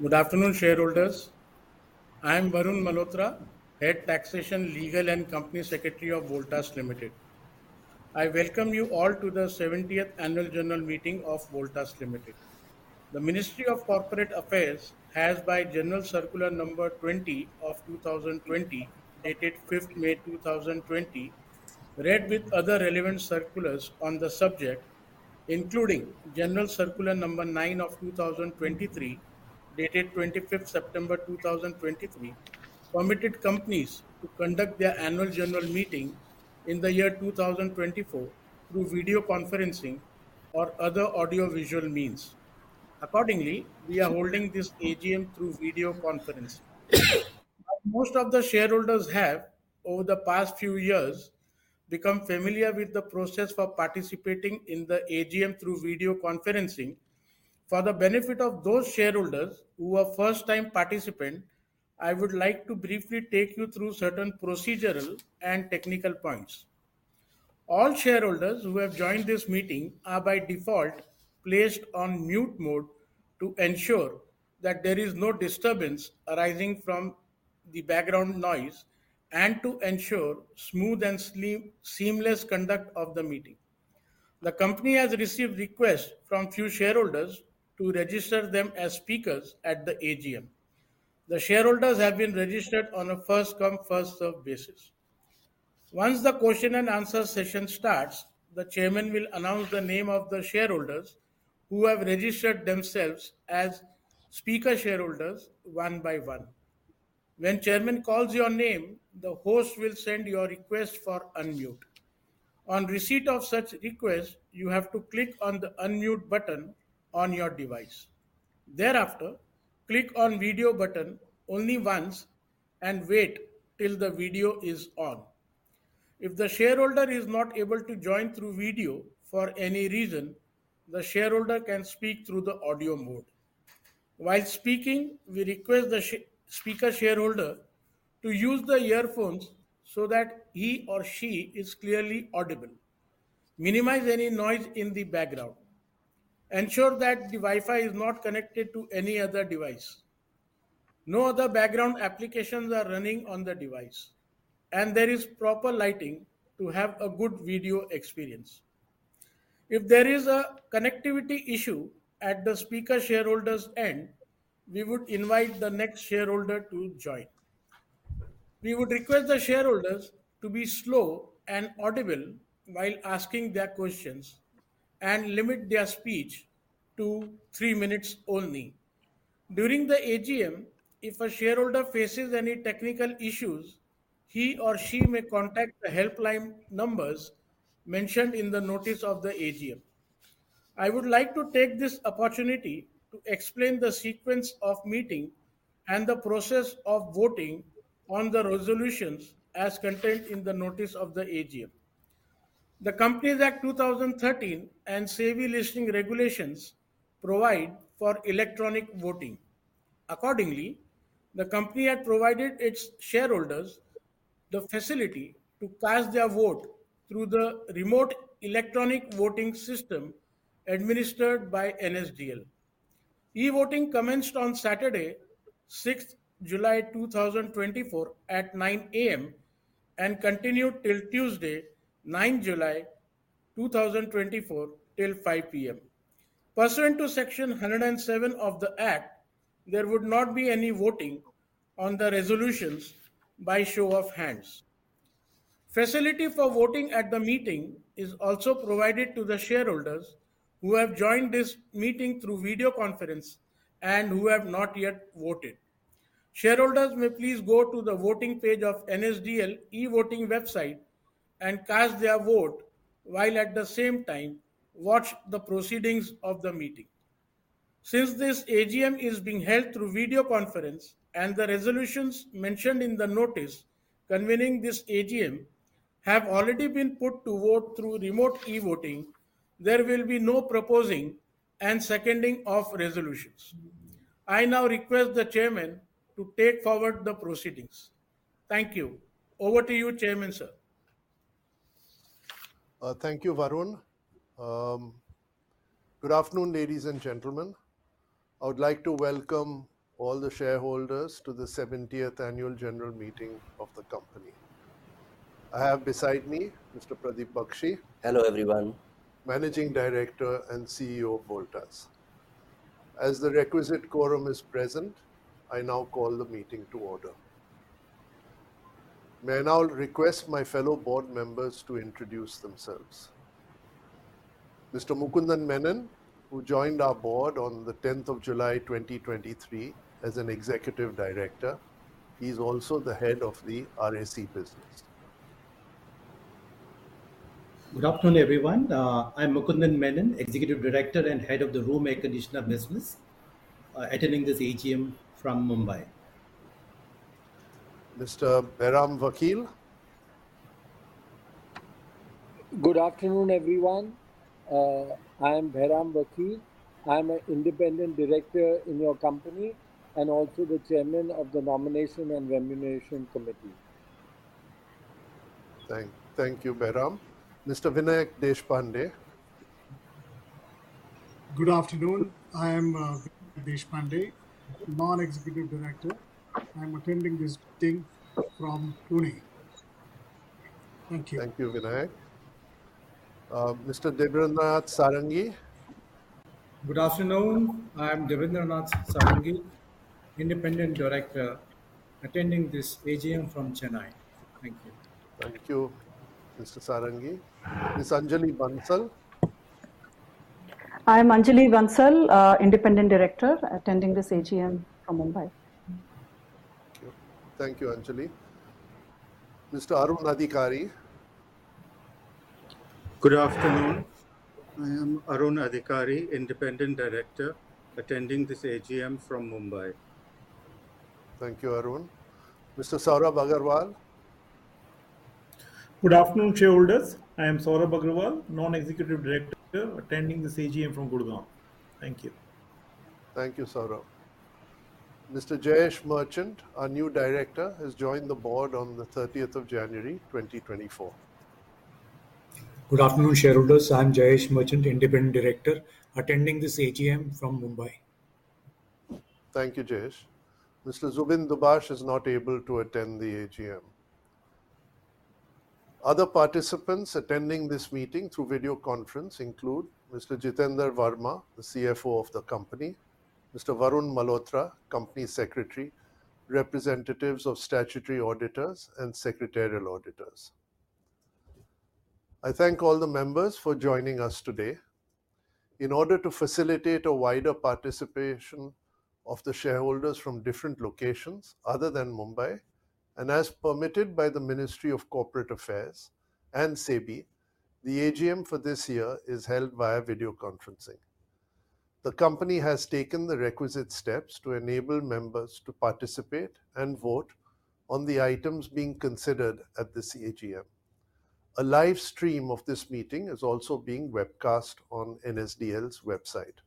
Good afternoon, shareholders. I am Varun Malhotra, Head Taxation, Legal, and Company Secretary of Voltas Limited. I welcome you all to the 70th Annual General Meeting of Voltas Limited. The Ministry of Corporate Affairs has, by General Circular Number 20 of 2020, dated May 5, 2020, read with other relevant circulars on the subject, including General Circular Number 9 of 2023, dated September 25, 2023, permitted companies to conduct their annual general meeting in the year 2024 through video conferencing or other audio-visual means. Accordingly, we are holding this AGM through video conference. Most of the shareholders have, over the past few years, become familiar with the process for participating in the AGM through video conferencing. For the benefit of those shareholders who are first-time participant, I would like to briefly take you through certain procedural and technical points. All shareholders who have joined this meeting are, by default, placed on mute mode to ensure that there is no disturbance arising from the background noise and to ensure smooth and seamless conduct of the meeting. The company has received requests from few shareholders to register them as speakers at the AGM. The shareholders have been registered on a first-come, first-serve basis. Once the question and answer session starts, the chairman will announce the name of the shareholders who have registered themselves as speaker shareholders one by one. When chairman calls your name, the host will send your request for unmute. On receipt of such request, you have to click on the unmute button on your device. Thereafter, click on video button only once and wait till the video is on. If the shareholder is not able to join through video for any reason, the shareholder can speak through the audio mode. While speaking, we request the shareholder speaker to use the earphones so that he or she is clearly audible. Minimize any noise in the background. Ensure that the Wi-Fi is not connected to any other device, no other background applications are running on the device, and there is proper lighting to have a good video experience. If there is a connectivity issue at the shareholder speaker's end, we would invite the next shareholder to join. We would request the shareholders to be slow and audible while asking their questions and limit their speech to three minutes only. During the AGM, if a shareholder faces any technical issues, he or she may contact the helpline numbers mentioned in the notice of the AGM. I would like to take this opportunity to explain the sequence of meeting and the process of voting on the resolutions as contained in the notice of the AGM. The Companies Act 2013 and SEBI Listing Regulations provide for electronic voting. Accordingly, the company had provided its shareholders the facility to cast their vote through the remote electronic voting system administered by NSDL. E-voting commenced on Saturday, 6 July 2024 at 9:00 A.M., and continued till Tuesday, 9 July 2024, till 5:00 P.M. Pursuant to Section 107 of the Act, there would not be any voting on the resolutions by show of hands. Facility for voting at the meeting is also provided to the shareholders who have joined this meeting through video conference and who have not yet voted. Shareholders may please go to the voting page of NSDL e-voting website and cast their vote, while at the same time watch the proceedings of the meeting. Since this AGM is being held through video conference and the resolutions mentioned in the notice convening this AGM have already been put to vote through remote e-voting, there will be no proposing and seconding of resolutions. I now request the chairman to take forward the proceedings. Thank you. Over to you, Chairman, sir. Thank you, Varun. Good afternoon, ladies and gentlemen. I would like to welcome all the shareholders to the 70th Annual General Meeting of the company. I have beside me Mr. Pradeep Bakshi- Hello, everyone... Managing Director and CEO of Voltas. As the requisite quorum is present, I now call the meeting to order. May I now request my fellow board members to introduce themselves? Mr. Mukundan Menon, who joined our board on the tenth of July, 2023, as an executive director. He is also the Head of the RAC business. Good afternoon, everyone. I'm Mukundan Menon, Executive Director and Head of the Home Air Conditioner business, attending this AGM from Mumbai. Mr. Bahram Vakil? Good afternoon, everyone. I am Behram Vakil. I am an Independent Director in your company and also the Chairman of the Nomination and Remuneration Committee.... Thank you, Bahram. Mr. Vinayak Deshpande? Good afternoon, I am Vinayak Deshpande, Non-Executive Director. I'm attending this meeting from Pune. Thank you. Thank you, Vinayak. Mr. Debendranath Sarangi? Good afternoon. I am Debendranath Sarangi, Independent Director, attending this AGM from Chennai. Thank you. Thank you, Mr. Sarangi. Ms. Anjali Bansal? I'm Anjali Bansal, Independent Director, attending this AGM from Mumbai. Thank you, Anjali. Mr. Arun Adhikari? Good afternoon. I am Arun Adhikari, Independent Director, attending this AGM from Mumbai. Thank you, Arun. Mr. Saurabh Agrawal? Good afternoon, shareholders. I am Saurabh Agrawal, Non-Executive Director, attending this AGM from Gurgaon. Thank you. Thank you, Saurabh. Mr. Jayesh Merchant, our new director, has joined the board on the 30th of January, 2024. Good afternoon, shareholders. I'm Jayesh Merchant, Independent Director, attending this AGM from Mumbai. Thank you, Jayesh. Mr. Zubin Dubash is not able to attend the AGM. Other participants attending this meeting through video conference include Mr. Jitender Verma, the CFO of the company, Mr. Varun Malhotra, Company Secretary, representatives of statutory auditors and secretarial auditors. I thank all the members for joining us today. In order to facilitate a wider participation of the shareholders from different locations other than Mumbai, and as permitted by the Ministry of Corporate Affairs and SEBI, the AGM for this year is held via video conferencing. The company has taken the requisite steps to enable members to participate and vote on the items being considered at this AGM. A live stream of this meeting is also being webcast on NSDL's website.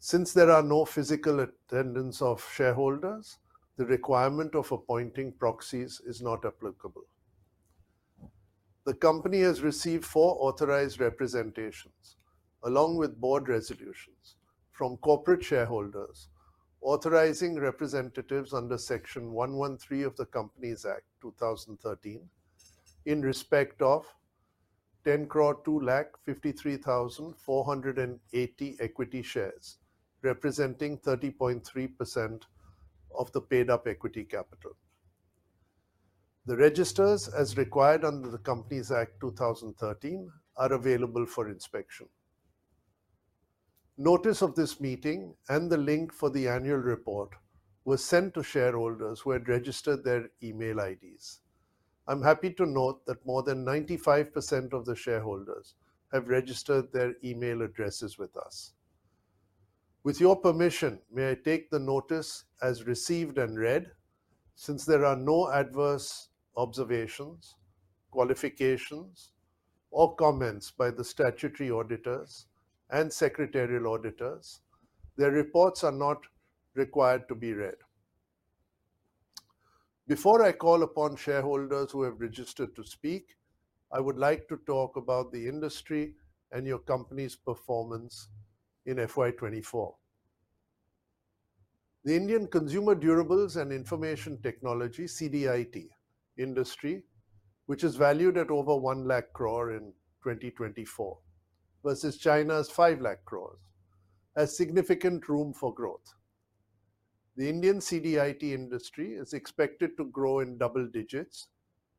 Since there are no physical attendance of shareholders, the requirement of appointing proxies is not applicable. The company has received four authorized representations, along with board resolutions from corporate shareholders, authorizing representatives under Section 113 of the Companies Act 2013, in respect of 10,225,3480 equity shares, representing 30.3% of the paid-up equity capital. The registers, as required under the Companies Act 2013, are available for inspection. Notice of this meeting and the link for the annual report were sent to shareholders who had registered their email IDs. I'm happy to note that more than 95% of the shareholders have registered their email addresses with us. With your permission, may I take the notice as received and read? Since there are no adverse observations, qualifications, or comments by the statutory auditors and secretarial auditors, their reports are not required to be read. Before I call upon shareholders who have registered to speak, I would like to talk about the industry and your company's performance in FY 2024. The Indian consumer durables and information technology, CDIT, industry, which is valued at over 100,000 crore in 2024 vs China's 500,000 crore, has significant room for growth. The Indian CDIT industry is expected to grow in double digits,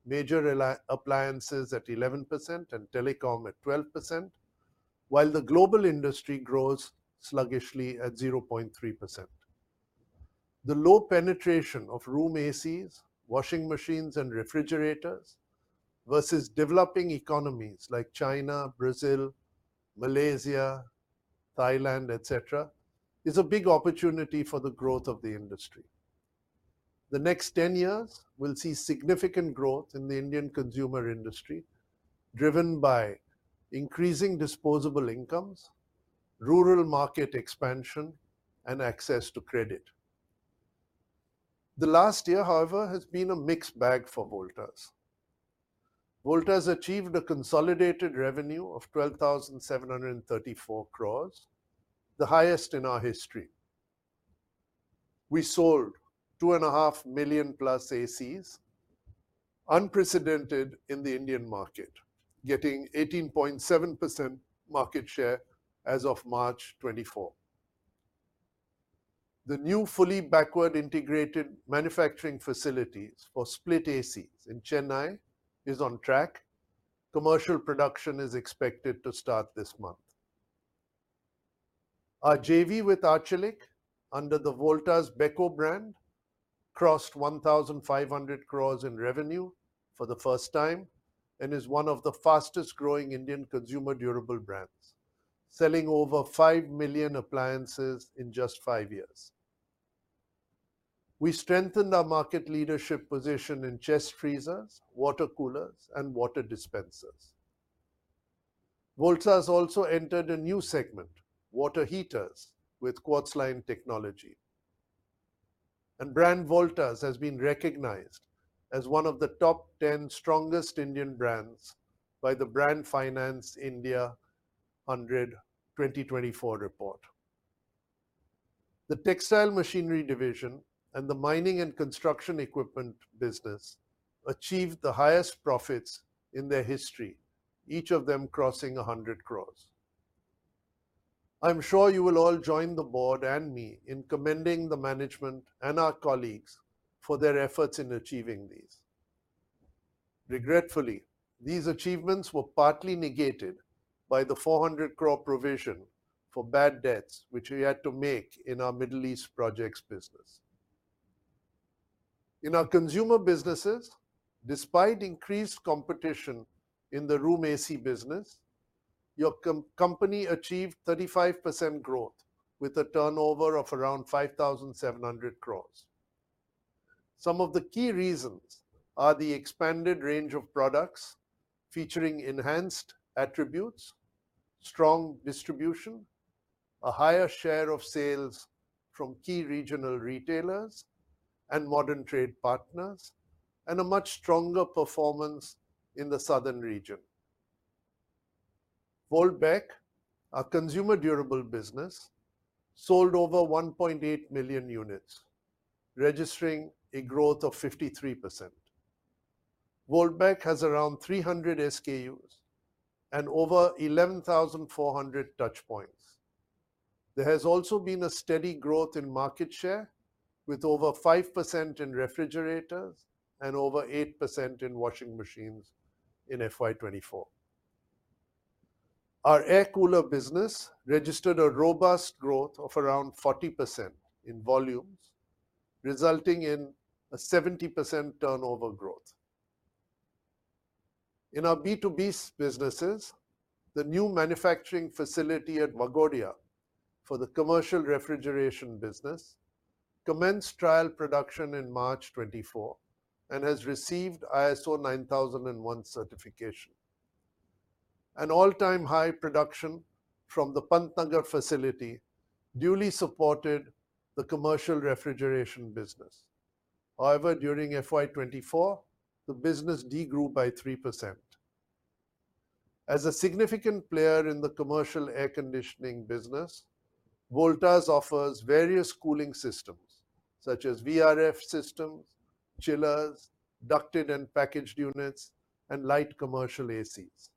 major appliances at 11% and telecom at 12%, while the global industry grows sluggishly at 0.3%. The low penetration of room ACs, washing machines, and refrigerators vs developing economies like China, Brazil, Malaysia, Thailand, etc., is a big opportunity for the growth of the industry. The next ten years will see significant growth in the Indian consumer industry, driven by increasing disposable incomes, rural market expansion, and access to credit. The last year, however, has been a mixed bag for Voltas. Voltas achieved a consolidated revenue of 12,734 crores, the highest in our history. We sold 2.5 million+ ACs, unprecedented in the Indian market, getting 18.7% market share as of March 2024. The new fully backward-integrated manufacturing facilities for split ACs in Chennai is on track. Commercial production is expected to start this month. Our JV with Arçelik, under the Voltas Beko brand, crossed 1,500 crores in revenue for the first time and is one of the fastest-growing Indian consumer durable brands, selling over 5 million appliances in just five years. We strengthened our market leadership position in chest freezers, water coolers, and water dispensers.... Voltas has also entered a new segment, water heaters, with quartz line technology. Brand Voltas has been recognized as one of the top 10 strongest Indian brands by the Brand Finance India 2024 report. The textile machinery division and the mining and construction equipment business achieved the highest profits in their history, each of them crossing 100 crore. I'm sure you will all join the board and me in commending the management and our colleagues for their efforts in achieving these. Regretfully, these achievements were partly negated by the 400 crore provision for bad debts, which we had to make in our Middle East projects business. In our consumer businesses, despite increased competition in the room AC business, your company achieved 35% growth, with a turnover of around 5,700 crore. Some of the key reasons are the expanded range of products featuring enhanced attributes, strong distribution, a higher share of sales from key regional retailers and modern trade partners, and a much stronger performance in the southern region. Voltas Beko, our consumer durable business, sold over 1.8 million units, registering a growth of 53%. Voltas Beko has around 300 SKUs and over 11,400 touch points. There has also been a steady growth in market share, with over 5% in refrigerators and over 8% in washing machines in FY 2024. Our air cooler business registered a robust growth of around 40% in volumes, resulting in a 70% turnover growth. In our B2B businesses, the new manufacturing facility at Waghodia for the commercial refrigeration business commenced trial production in March 2024 and has received ISO 9001 certification. An all-time high production from the Pantnagar facility duly supported the commercial refrigeration business. However, during FY 2024, the business de-grew by 3%. As a significant player in the commercial air conditioning business, Voltas offers various cooling systems such as VRF systems, chillers, ducted and packaged units, and light commercial ACs.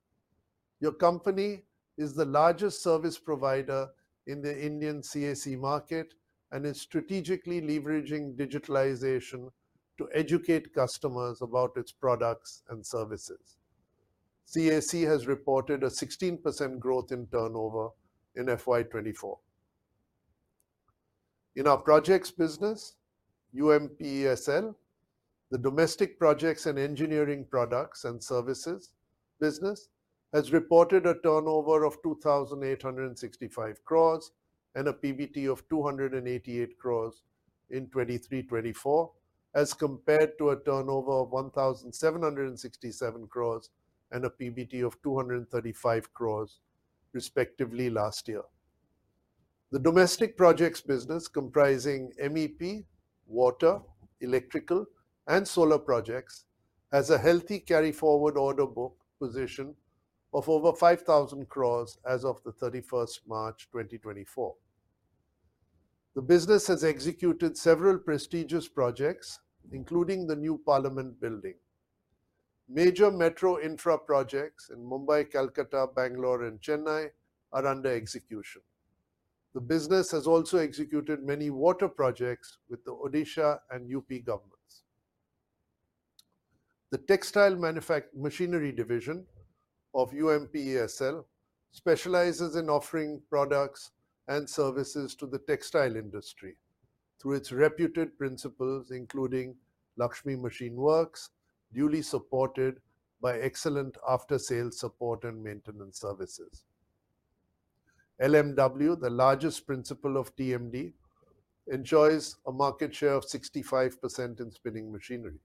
Your company is the largest service provider in the Indian CAC market and is strategically leveraging digitalization to educate customers about its products and services. CAC has reported a 16% growth in turnover in FY 2024. In our projects business, UMPESL, the domestic projects and engineering products and services business, has reported a turnover of 2,865 crore and a PBT of 288 crore in 2023-24, as compared to a turnover of 1,767 crore and a PBT of 235 crore, respectively, last year. The domestic projects business, comprising MEP, water, electrical, and solar projects, has a healthy carry-forward order book position of over 5,000 crore as of March 31, 2024. The business has executed several prestigious projects, including the new parliament building. Major metro infra projects in Mumbai, Kolkata, Bangalore, and Chennai are under execution. The business has also executed many water projects with the Odisha and UP governments. The Textile Machinery Division of UMPESL specializes in offering products and services to the textile industry through its reputed principals, including Lakshmi Machine Works, duly supported by excellent after-sales support and maintenance services. LMW, the largest principal of TMD, enjoys a market share of 65% in spinning machinery.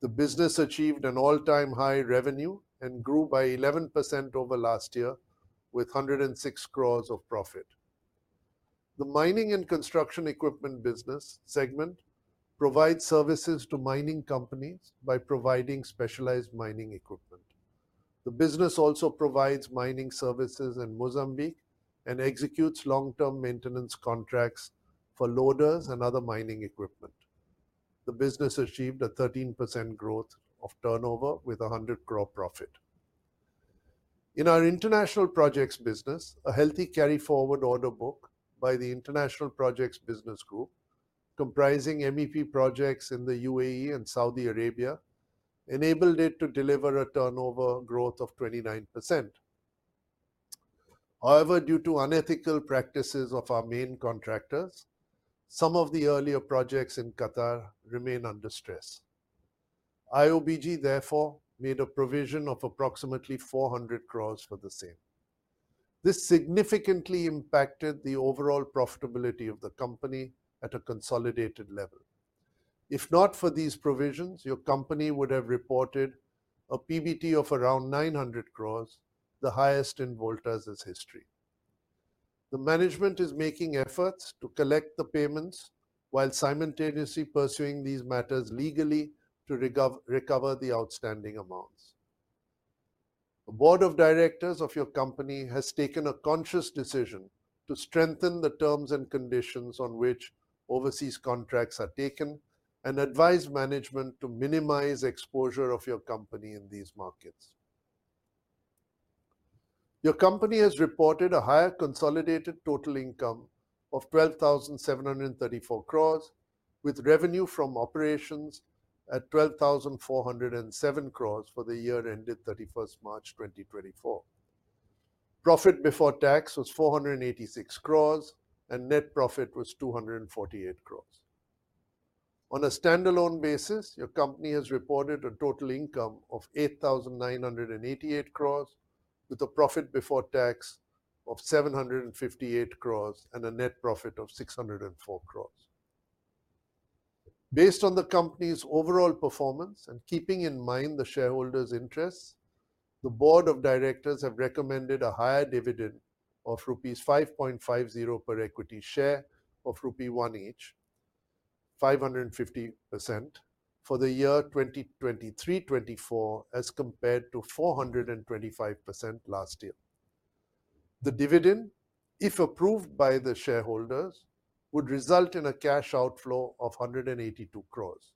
The business achieved an all-time high revenue and grew by 11% over last year with 106 crore of profit. The mining and construction equipment business segment provides services to mining companies by providing specialized mining equipment. The business also provides mining services in Mozambique and executes long-term maintenance contracts for loaders and other mining equipment. The business achieved a 13% growth of turnover with a 100 crore profit. In our international projects business, a healthy carry-forward order book by the International Projects Business Group, comprising MEP projects in the UAE and Saudi Arabia, enabled it to deliver a turnover growth of 29%. However, due to unethical practices of our main contractors, some of the earlier projects in Qatar remain under stress. IOBG therefore made a provision of approximately 400 crore for the same. This significantly impacted the overall profitability of the company at a consolidated level. If not for these provisions, your company would have reported a PBT of around 900 crore, the highest in Voltas' history. The management is making efforts to collect the payments while simultaneously pursuing these matters legally to recover the outstanding amounts. The board of directors of your company has taken a conscious decision to strengthen the terms and conditions on which overseas contracts are taken, and advise management to minimize exposure of your company in these markets. Your company has reported a higher consolidated total income of 12,734 crores, with revenue from operations at 12,407 crores for the year ended 31 March 2024. Profit before tax was 486 crores, and net profit was 248 crores. On a standalone basis, your company has reported a total income of 8,988 crores, with a profit before tax of 758 crores and a net profit of 604 crores. Based on the company's overall performance and keeping in mind the shareholders' interests, the board of directors have recommended a higher dividend of rupees 5.50 per equity share of rupee 1 each, 550% for the year 2023-24, as compared to 425% last year. The dividend, if approved by the shareholders, would result in a cash outflow of 182 crores.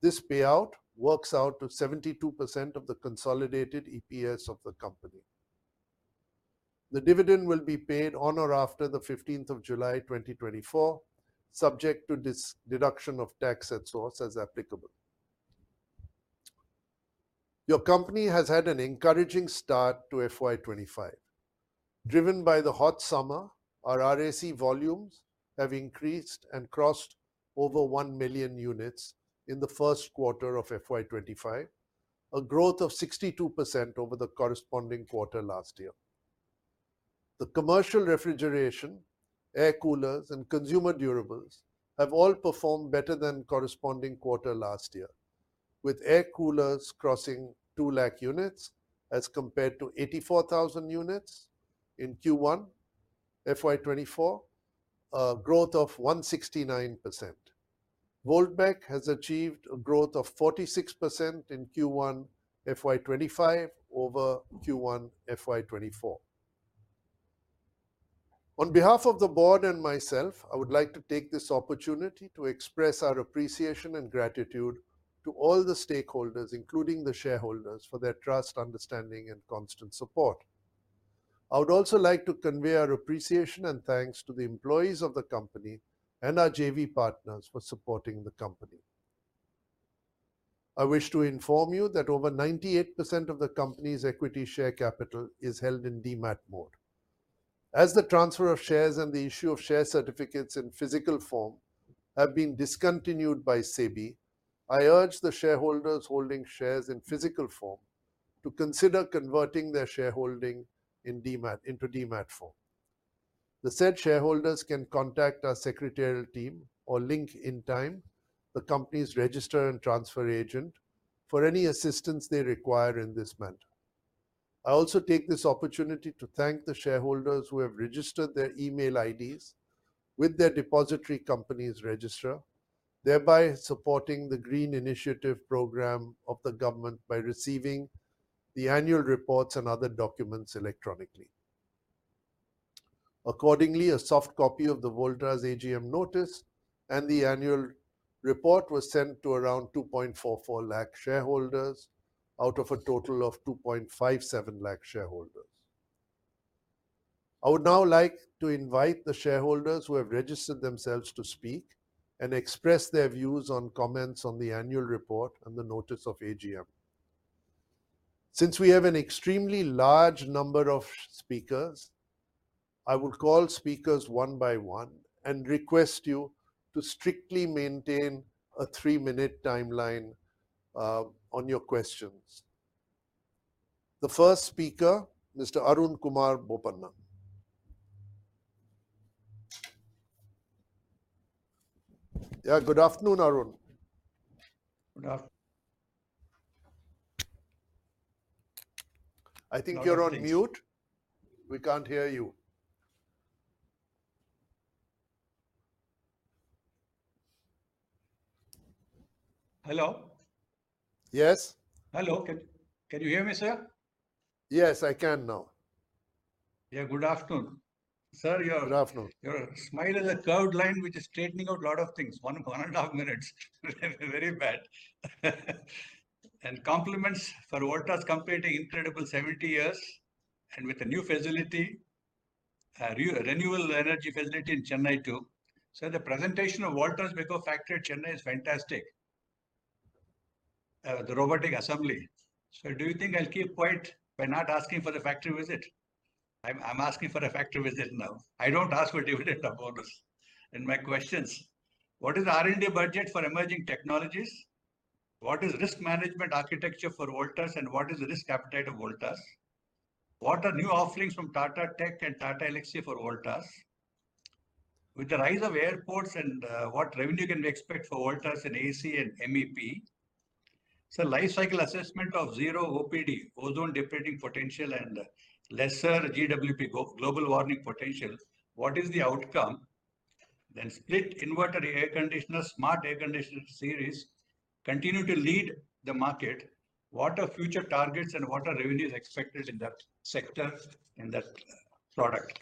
This payout works out to 72% of the consolidated EPS of the company. The dividend will be paid on or after the 15th of July, 2024, subject to deduction of tax at source as applicable. Your company has had an encouraging start to FY 2025. Driven by the hot summer, our RAC volumes have increased and crossed over 1 million units in the first quarter of FY 2025, a growth of 62% over the corresponding quarter last year. The commercial refrigeration, air coolers and consumer durables have all performed better than corresponding quarter last year, with air coolers crossing 200,000 units as compared to 84,000 units in Q1 FY 2024, a growth of 169%. Voltas M&CE has achieved a growth of 46% in Q1 FY 2025 over Q1 FY 2024. On behalf of the board and myself, I would like to take this opportunity to express our appreciation and gratitude to all the stakeholders, including the shareholders, for their trust, understanding and constant support. I would also like to convey our appreciation and thanks to the employees of the company and our JV partners for supporting the company. I wish to inform you that over 98% of the company's equity share capital is held in demat mode. As the transfer of shares and the issue of share certificates in physical form have been discontinued by SEBI, I urge the shareholders holding shares in physical form to consider converting their shareholding in demat into demat form. The said shareholders can contact our secretarial team or Link Intime, the company's registrar and transfer agent, for any assistance they require in this matter. I also take this opportunity to thank the shareholders who have registered their email IDs with their depository company's registrar, thereby supporting the Green Initiative program of the government by receiving the annual reports and other documents electronically. Accordingly, a soft copy of the Voltas AGM notice and the annual report was sent to around 2.44 lakh shareholders out of a total of 2.57 lakh shareholders. I would now like to invite the shareholders who have registered themselves to speak and express their views on comments on the annual report and the notice of AGM. Since we have an extremely large number of speakers, I will call speakers one by one and request you to strictly maintain a three-minute timeline on your questions. The first speaker, Mr. Arunkumar Bopanna. Yeah, good afternoon, Arun. Good after- I think you're on mute. We can't hear you. Hello? Yes. Hello. Can you hear me, sir? Yes, I can now. Yeah. Good afternoon, sir. Good afternoon. Your, your smile is a curved line which is straightening out a lot of things. One, 1.5 minutes, very bad. And compliments for Voltas completing incredible 70 years and with a new facility, a renewable energy facility in Chennai, too. So the presentation of Voltas Micro Factory, Chennai is fantastic. The robotic assembly. So do you think I'll keep quiet by not asking for the factory visit? I'm, I'm asking for a factory visit now. I don't ask for dividend bonus. And my questions: What is R&D budget for emerging technologies? What is risk management architecture for Voltas, and what is the risk appetite of Voltas? What are new offerings from Tata Tech and Tata Elxsi for Voltas? With the rise of airports and, what revenue can we expect for Voltas in AC and MEP? Sir, life cycle assessment of zero ODP, ozone depleting potential, and lesser GWP, global warming potential, what is the outcome? Then split inverter air conditioner, smart air conditioner series continue to lead the market. What are future targets and what are revenues expected in that sector, in that product?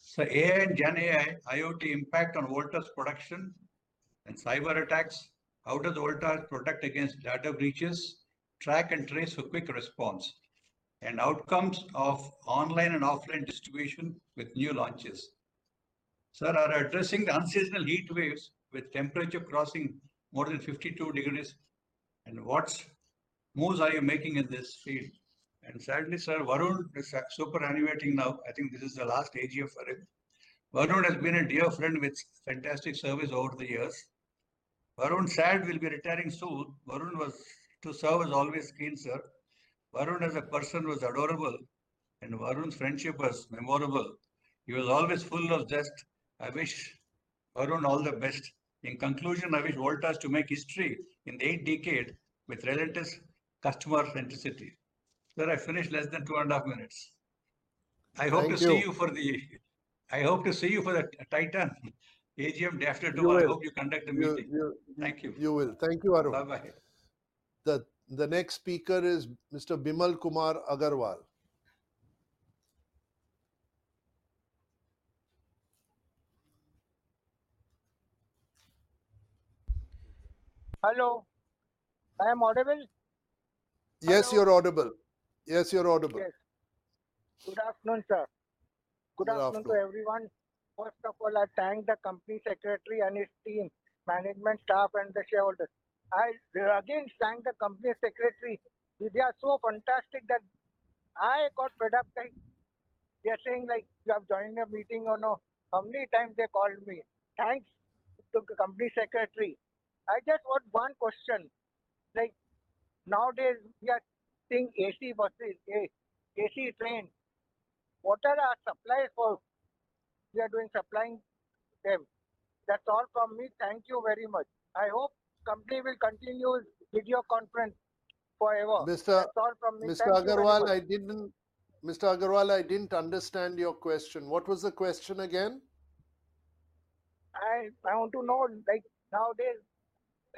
Sir, AI and GenAI, IoT impact on Voltas production and cyberattacks, how does Voltas protect against data breaches, track and trace for quick response? Outcomes of online and offline distribution with new launches. Sir, are addressing the unseasonal heatwaves with temperature crossing more than 52 degrees, and what moves are you making in this field? Sadly, Sir Varun is superannuating now. I think this is the last AGM for him. Varun has been a dear friend with fantastic service over the years. Varun, sad, will be retiring soon. Varun was always keen to serve, sir. Varun, as a person, was adorable, and Varun's friendship was memorable. He was always full of zest. I wish Varun all the best. In conclusion, I wish Voltas to make history in the eighth decade with relentless customer centricity. Sir, I finished less than 2.5 minutes. Thank you. I hope to see you for the Titan AGM day after tomorrow. You will. I hope you conduct the meeting. You, you- Thank you. You will. Thank you, Arun. Bye-bye. The next speaker is Mr. Bimal Kumar Agarwal. Hello, I am audible? Yes, you're audible. Hello. Yes, you're audible. Yes. Good afternoon, sir. Good afternoon. Good afternoon to everyone. First of all, I thank the company secretary and his team, management, staff, and the shareholders. I will again thank the company secretary. They are so fantastic that I got fed up, like, they are saying, like, you have joined the meeting or no. How many times they called me? Thanks to company secretary. I just want one question. Like, nowadays, we are seeing AC buses, AC, AC Trent. What are our suppliers for we are doing supplying them? That's all from me. Thank you very much. I hope company will continue video conferenc e forever. Mr- That's all from me. Thank you very much. Mr. Agarwal, I didn't understand your question. What was the question again? I want to know, like, nowadays,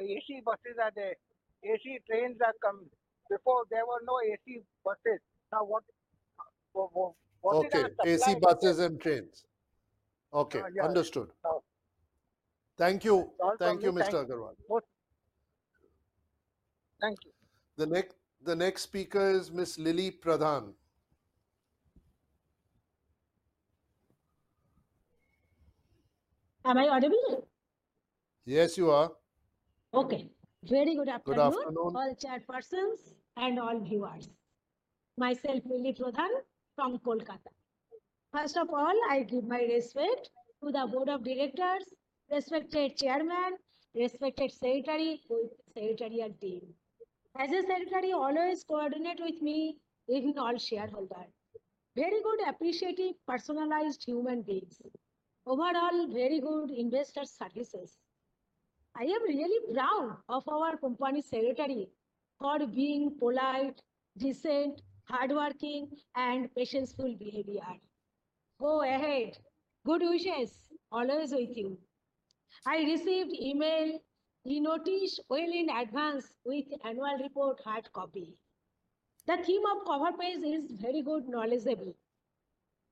AC buses are there, AC Trains are coming. Before, there were no AC buses. Now, what is our supply- Okay, AC buses and trains. Yeah, yeah. Okay, understood. Uh. Thank you. That's all from me. Thank you, Mr. Agarwal. Thank you. The next speaker is Ms. Lily Pradhan. Am I audible? Yes, you are. Okay. Very good afternoon- Good afternoon... all chairpersons and all viewers. Myself, Lily Pradhan from Kolkata. First of all, I give my respect to the board of directors, respected chairman, respected secretary, with secretarial team. As a secretary, always coordinate with me, with all shareholder. Very good appreciative, personalized human beings. Overall, very good investor services. I am really proud of our company secretary for being polite, decent, hardworking, and patient behavior. Go ahead. Good wishes, always with you. I received email, e-notice well in advance with annual report hard copy. The theme of cover page is very good, knowledgeable.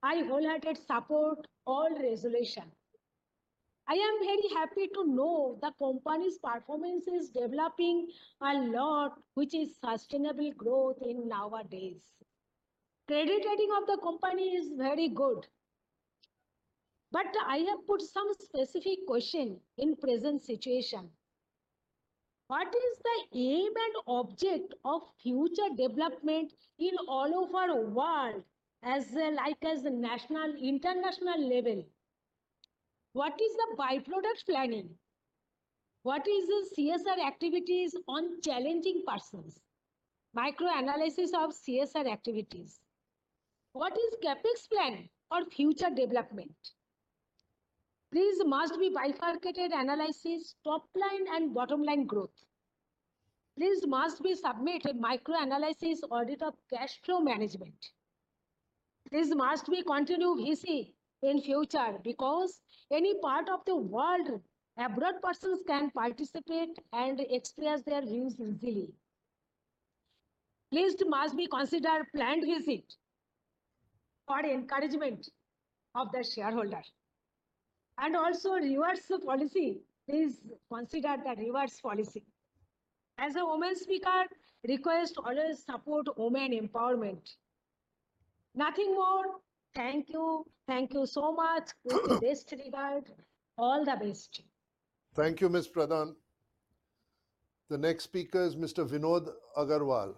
I wholeheartedly support all resolution. I am very happy to know the company's performance is developing a lot, which is sustainable growth in nowadays. Credit rating of the company is very good. But I have put some specific question in present situation. What is the aim and object of future development in all over world as a, like as a national, international level? What is the by-product planning? What is the CSR activities on challenging persons? Microanalysis of CSR activities. What is the CapEx plan for future development? Please must be bifurcated analysis, top line and bottom line growth. Please must be submitted microanalysis audit of cash flow management. Please must be continue visit in future, because any part of the world, abroad persons can participate and express their views easily. Please must be considered planned visit for encouragement of the shareholder. And also, reversal policy, please consider the reverse policy. As a woman speaker, request to always support woman empowerment. Nothing more. Thank you. Thank you so much. Best regard. All the best. Thank you, Ms. Pradhan. The next speaker is Mr. Vinod Agarwal. ...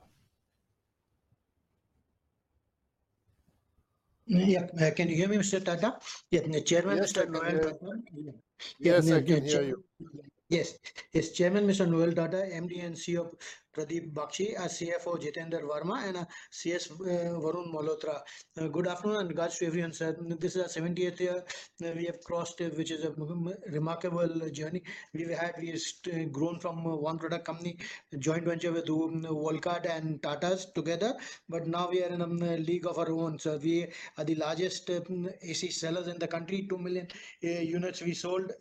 Yeah, can you hear me, Mr. Tata? Yeah, Chairman, Mr. Noel Tata- Yes, I can hear you. Yes. Yes, Chairman, Mr. Noel Tata, MD and CEO, Pradeep Bakshi, our CFO, Jitender Verma, and our CS, Varun Malhotra. Good afternoon and regards to everyone, sir. This is our seventieth year, we have crossed it, which is a remarkable journey. We have, we've grown from a one-product company, joint venture with Volkart and Tatas together, but now we are in a league of our own. So we are the largest AC sellers in the country, 2 million units we sold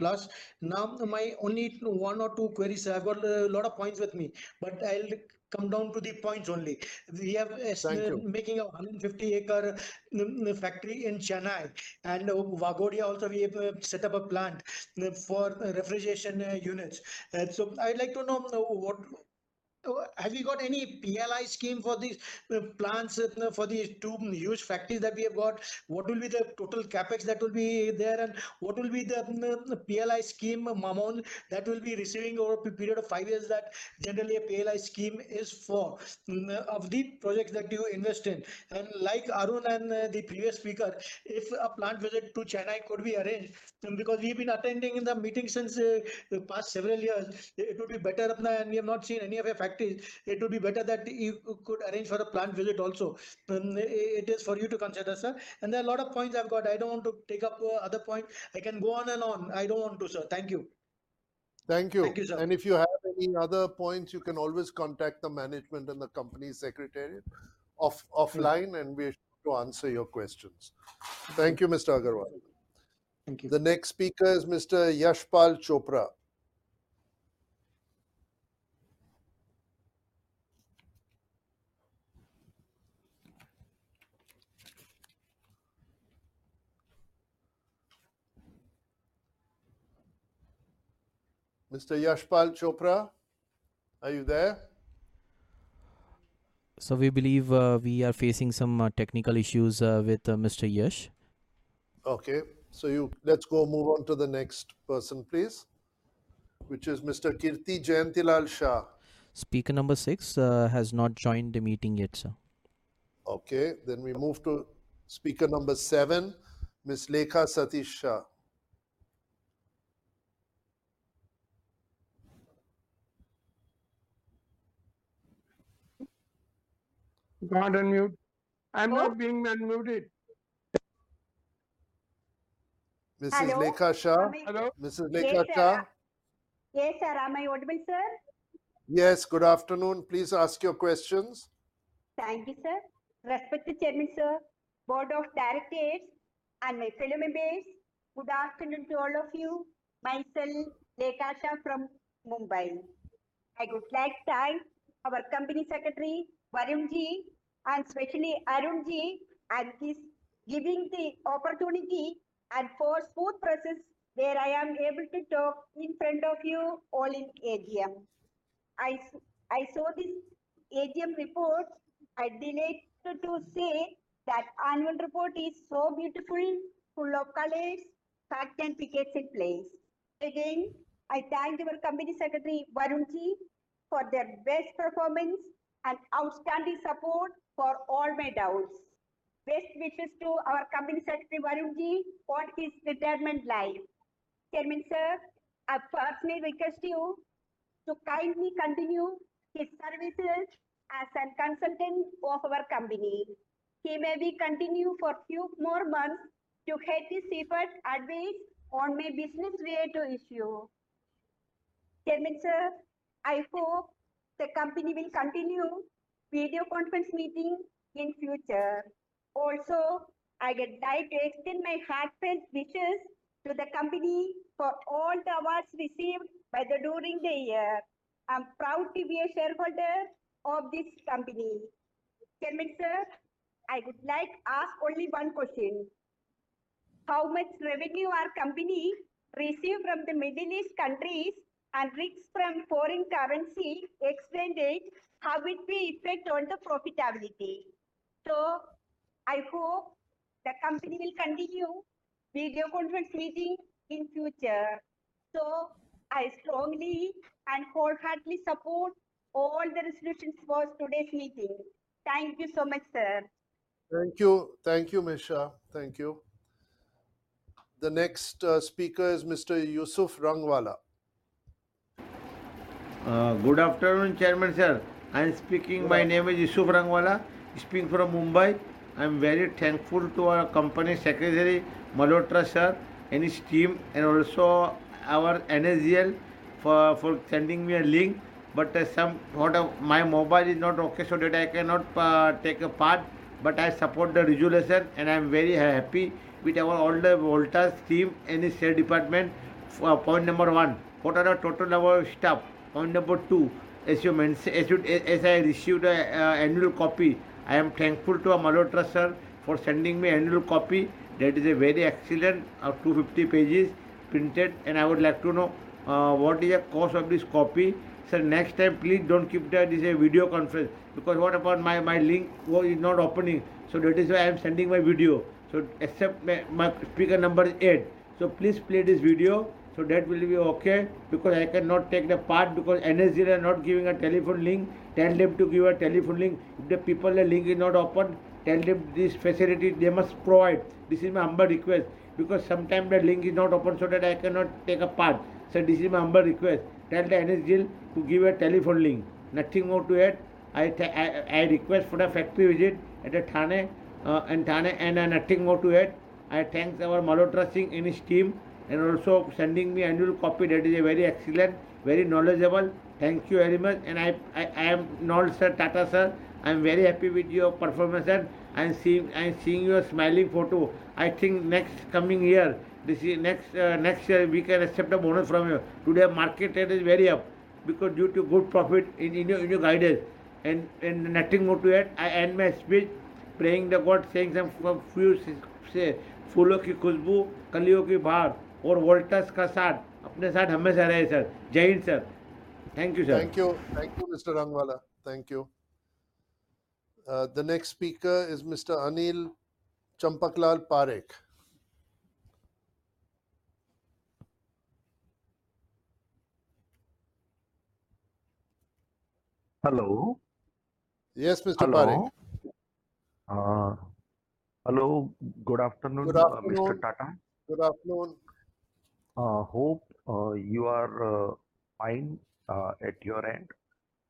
plus. Now, my only one or two queries, I've got a lot of points with me, but I'll come down to the points only. We have- Thank you. Making a 150-acre factory in Chennai and Waghodia also, we have set up a plant for refrigeration units. And so I'd like to know what have you got any PLI scheme for these plants for these two huge factories that we have got? What will be the total CapEx that will be there, and what will be the PLI scheme amount that we'll be receiving over a period of 5 years that generally a PLI scheme is for of the projects that you invest in? And like Arun and the previous speaker, if a plant visit to Chennai could be arranged because we've been attending the meeting since the past several years. It would be better now, and we have not seen any of your factories. It would be better that you could arrange for a plant visit also. It is for you to consider, sir. There are a lot of points I've got. I don't want to take up other point. I can go on and on. I don't want to, sir. Thank you. Thank you. Thank you, sir. If you have any other points, you can always contact the management and the company secretary offline, and we wish to answer your questions. Thank you, Mr. Agarwal. Thank you. The next speaker is Mr. Yashpal Chopra. Mr. Yashpal Chopra, are you there? We believe we are facing some technical issues with Mr. Yash. Okay, so let's go move on to the next person, please, which is Mr. Kirti Jayantilal Shah. Speaker number six has not joined the meeting yet, sir. Okay, then we move to speaker number seven, Ms. Lekha Satish Shah. Go on unmute. I'm not being unmuted. Mrs. Lekha Shah? Hello. Mrs. Lekha Shah? Yes, sir. Yes, sir. Am I audible, sir? Yes, good afternoon. Please ask your questions. Thank you, sir. Respected Chairman, sir, Board of Directors, and my fellow members, good afternoon to all of you. Myself, Lekha Shah from Mumbai. I would like to thank our company secretary, Varun Ji, and especially Arun Ji, and he's giving the opportunity and for smooth process, where I am able to talk in front of you all in AGM. I saw this AGM report. I'd be like to say that annual report is so beautiful, full of colors, facts, and figures in place. Again, I thank our company secretary, Varun Ji, for their best performance and outstanding support for all my doubts. Best wishes to our company secretary, Varun Ji, for his retirement life. Chairman, sir, I personally request you to kindly continue his services as a consultant of our company. He may continue for few more months to help this effort, advice on my business way to issue. Chairman, sir, I hope the company will continue video conference meeting in future. Also, I would like to extend my heartfelt wishes to the company for all the awards received by the company during the year. I'm proud to be a shareholder of this company. Chairman, sir, I would like to ask only one question: How much revenue our company received from the Middle East countries and risks from foreign currency exchange rate? How it will affect on the profitability? So I hope the company will continue video conference meeting in future. So I strongly and wholeheartedly support all the resolutions for today's meeting. Thank you so much, sir. Thank you. Thank you, Ms. Shah. Thank you. The next speaker is Mr. Yusuf Rangwala. Good afternoon, Chairman, sir. I'm speaking... My name is Yusuf Rangwala, speaking from Mumbai. I'm very thankful to our company secretary, Malhotra, sir, and his team for sending me a link, but somewhat of my mobile is not okay, so that I cannot take part. But I support the resolution, and I'm very happy with our all the Voltas team and his sales department, for point number one. What are the total number of staff? Point number two, as you mention, as you, as I received, annual copy, I am thankful to Malhotra, sir, for sending me annual copy. That is a very excellent of 250 pages printed, and I would like to know, what is the cost of this copy? Sir, next time, please don't keep that it is a video conference, because what about my link? Why is it not opening? So that is why I'm sending my video. So accept my speaker number is eight. So please play this video, so that will be okay, because I cannot take the part because NSDL are not giving a telephone link. Tell them to give a telephone link. If the people, the link is not open, tell them this facility they must provide. This is my humble request, because sometimes the link is not open so that I cannot take a part. So this is my humble request. Tell the NSDL to give a telephone link. Nothing more to add. I request for a factory visit at Thane, in Thane, and nothing more to add. I thank our Malhotra Sir and his team, and also sending me annual copy. That is a very excellent, very knowledgeable. Thank you very much. I am not Sir Tata, sir. I'm very happy with your performance, and seeing your smiling photo. I think next coming year, this is next year, we can accept a bonus from you. Today, market trade is very up, because due to good profit in your guidance. Nothing more to add. I end my speech praying the God, saying some from few, say. Thank you. Thank you, Mr. Rangwala. Thank you. The next speaker is Mr. Anil Champaklal Parekh. Hello? Yes, Mr. Parekh. Hello. Hello, good afternoon- Good afternoon. Mr. Tata. Good afternoon. Hope you are fine at your end.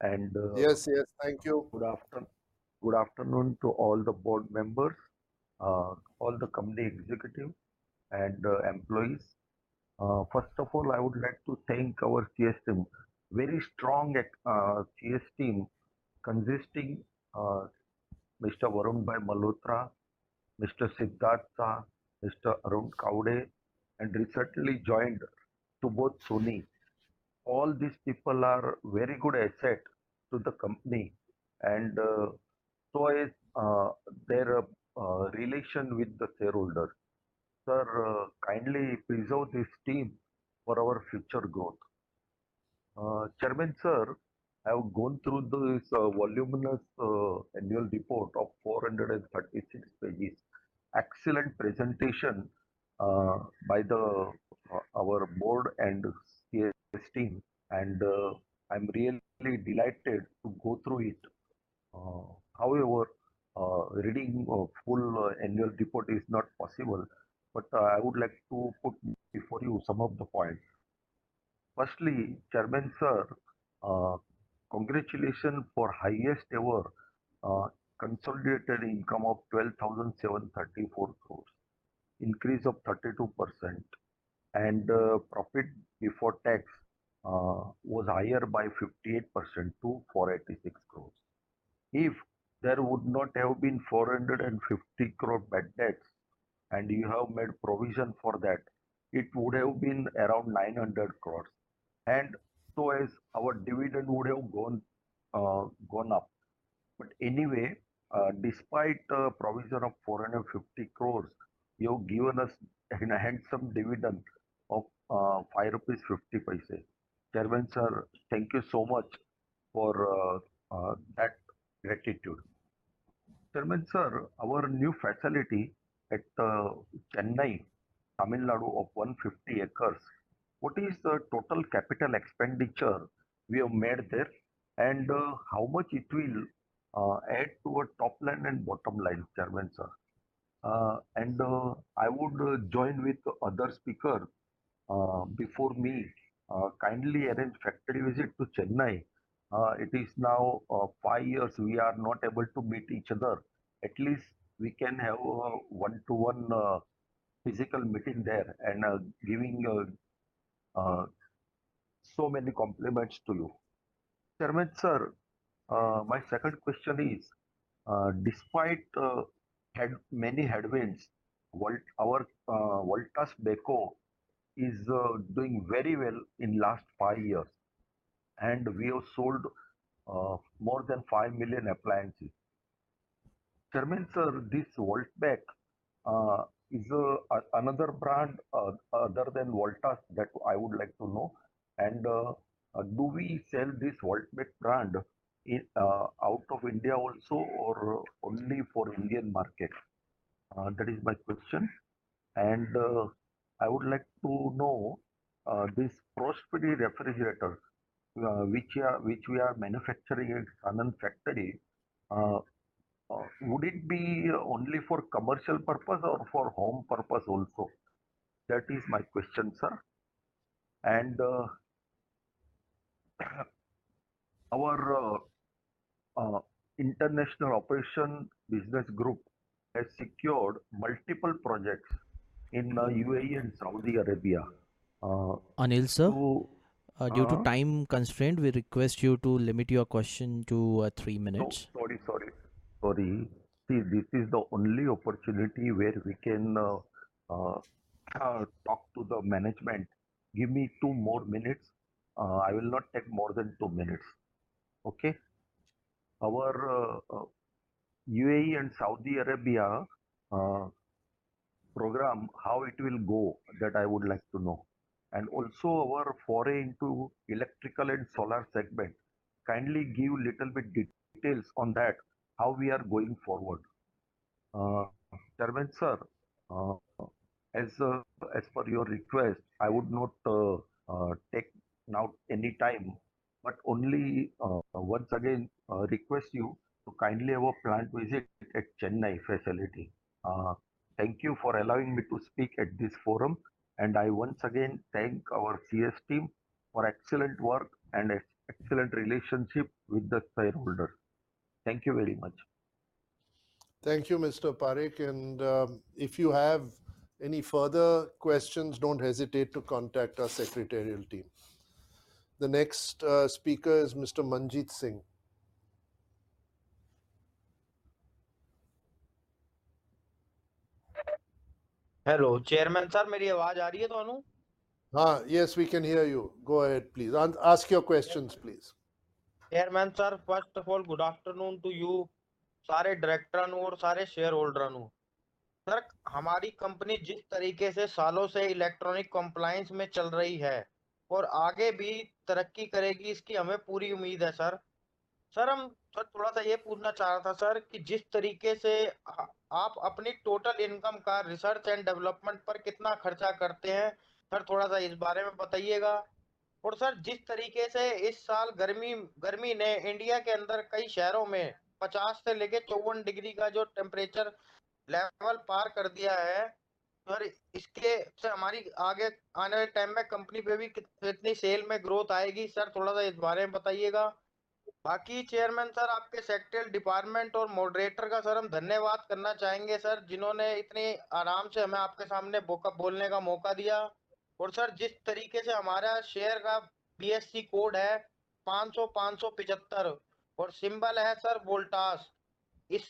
And- Yes, yes, thank you. Good afternoon to all the board members, all the company executive and employees. First of all, I would like to thank our CS team. Very strong CS team, consisting Mr. Varun Malhotra, Mr. Siddhartha, Mr. Arun Kawade, and recently joined Subodh Soni. All these people are very good asset to the company, and so is their relation with the shareholder. Sir, kindly preserve this team for our future growth. Chairman, sir, I have gone through this voluminous annual report of 436 pages. Excellent presentation by our board and CS team, and I'm really delighted to go through it. However, reading a full annual report is not possible, but I would like to put before you some of the points. Firstly, Chairman, sir, congratulations for highest ever consolidated income of 12,734 crore, increase of 32%, and profit before tax was higher by 58% to 486 crore. If there would not have been 450 crore bad debts, and you have made provision for that, it would have been around 900 crores, and so as our dividend would have gone, gone up. But anyway, despite the provision of 450 crores, you have given us an handsome dividend of 5.50 rupees paise. Chairman, sir, thank you so much for that gratitude. Chairman, sir, our new facility at Chennai, Tamil Nadu, of 150 acres, what is the total capital expenditure we have made there? How much it will add to our top line and bottom line, Chairman, sir? I would join with other speaker before me; kindly arrange factory visit to Chennai. It is now five years we are not able to meet each other. At least we can have a one-to-one physical meeting there and giving so many compliments to you, Chairman, sir. My second question is, despite many headwinds, our Voltas Beko is doing very well in last five years, and we have sold more than 5 million appliances. Chairman, sir, this Voltas Beko is another brand other than Voltas that I would like to know, and do we sell this Voltas Beko brand out of India also or only for Indian market? That is my question. And I would like to know this ProSmart refrigerator which we are manufacturing in Thane factory. Would it be only for commercial purpose or for home purpose also? That is my question, sir. And our International Operations Business Group has secured multiple projects in UAE and Saudi Arabia. Anil, sir- So, uh- Due to time constraint, we request you to limit your question to three minutes. Oh, sorry, sorry, sorry. See, this is the only opportunity where we can talk to the management. Give me 2 more minutes. I will not take more than 2 minutes. Okay? Our UAE and Saudi Arabia program, how it will go, that I would like to know. And also our foray into electrical and solar segment. Kindly give little bit details on that, how we are going forward. Chairman, sir, as per your request, I would not take now any time, but only once again request you to kindly have a plant visit at Chennai facility. Thank you for allowing me to speak at this forum, and I once again thank our CS team for excellent work and excellent relationship with the shareholder. Thank you very much. Thank you, Mr. Parekh, and if you have any further questions, don't hesitate to contact our secretarial team. The next speaker is Mr. Manjit Singh. Hello, Chairman, sir, meri awaaz aa rahi hai aapko? Yes, we can hear you. Go ahead, please. Ask your questions, please. Chairman, sir, first of all, good afternoon to you, saare directors and saare shareholders. Sir, hamari company jis tareeke se saalon se electronic compliance mein chal rahi hai, aur aage bhi tarakki karegi, iski humein puri umeed hai, sir. Sir, thoda sa yeh poochna chah raha tha, sir, ki jis tareeke se aap apni total income ka research and development par kitna kharcha karte hain? Sir, thoda sa is baare mein bataiyega. Aur sir, jis tareeke se is saal garmi ne India ke andar kai shehron mein 50 se leke 54 degrees Celsius ka jo temperature level paar kar diya hai, sir, iske se hamari aage aane wale time mein company pe bhi kitni sale mein growth aayegi, sir, thoda sa is baare mein bataiyega. Baaki, Chairman, sir, aapke secretarial department aur moderator ka sir hum dhanyavad karna chahenge, sir, jinhonne itne aaram se hume aapke saamne bolne ka mauka diya. Aur sir, jis tareeke se hamara share ka BSE code hai, 500575, aur symbol hai, sir, Voltas. Isse sir, ek jo investor hota hai, sir, usko pura vishwas hai ki hamari company hamein achha return deti hai. Shukriya, sir, Chairman, sir. Thank you. Bolne ka mauka dene ke liye. Thank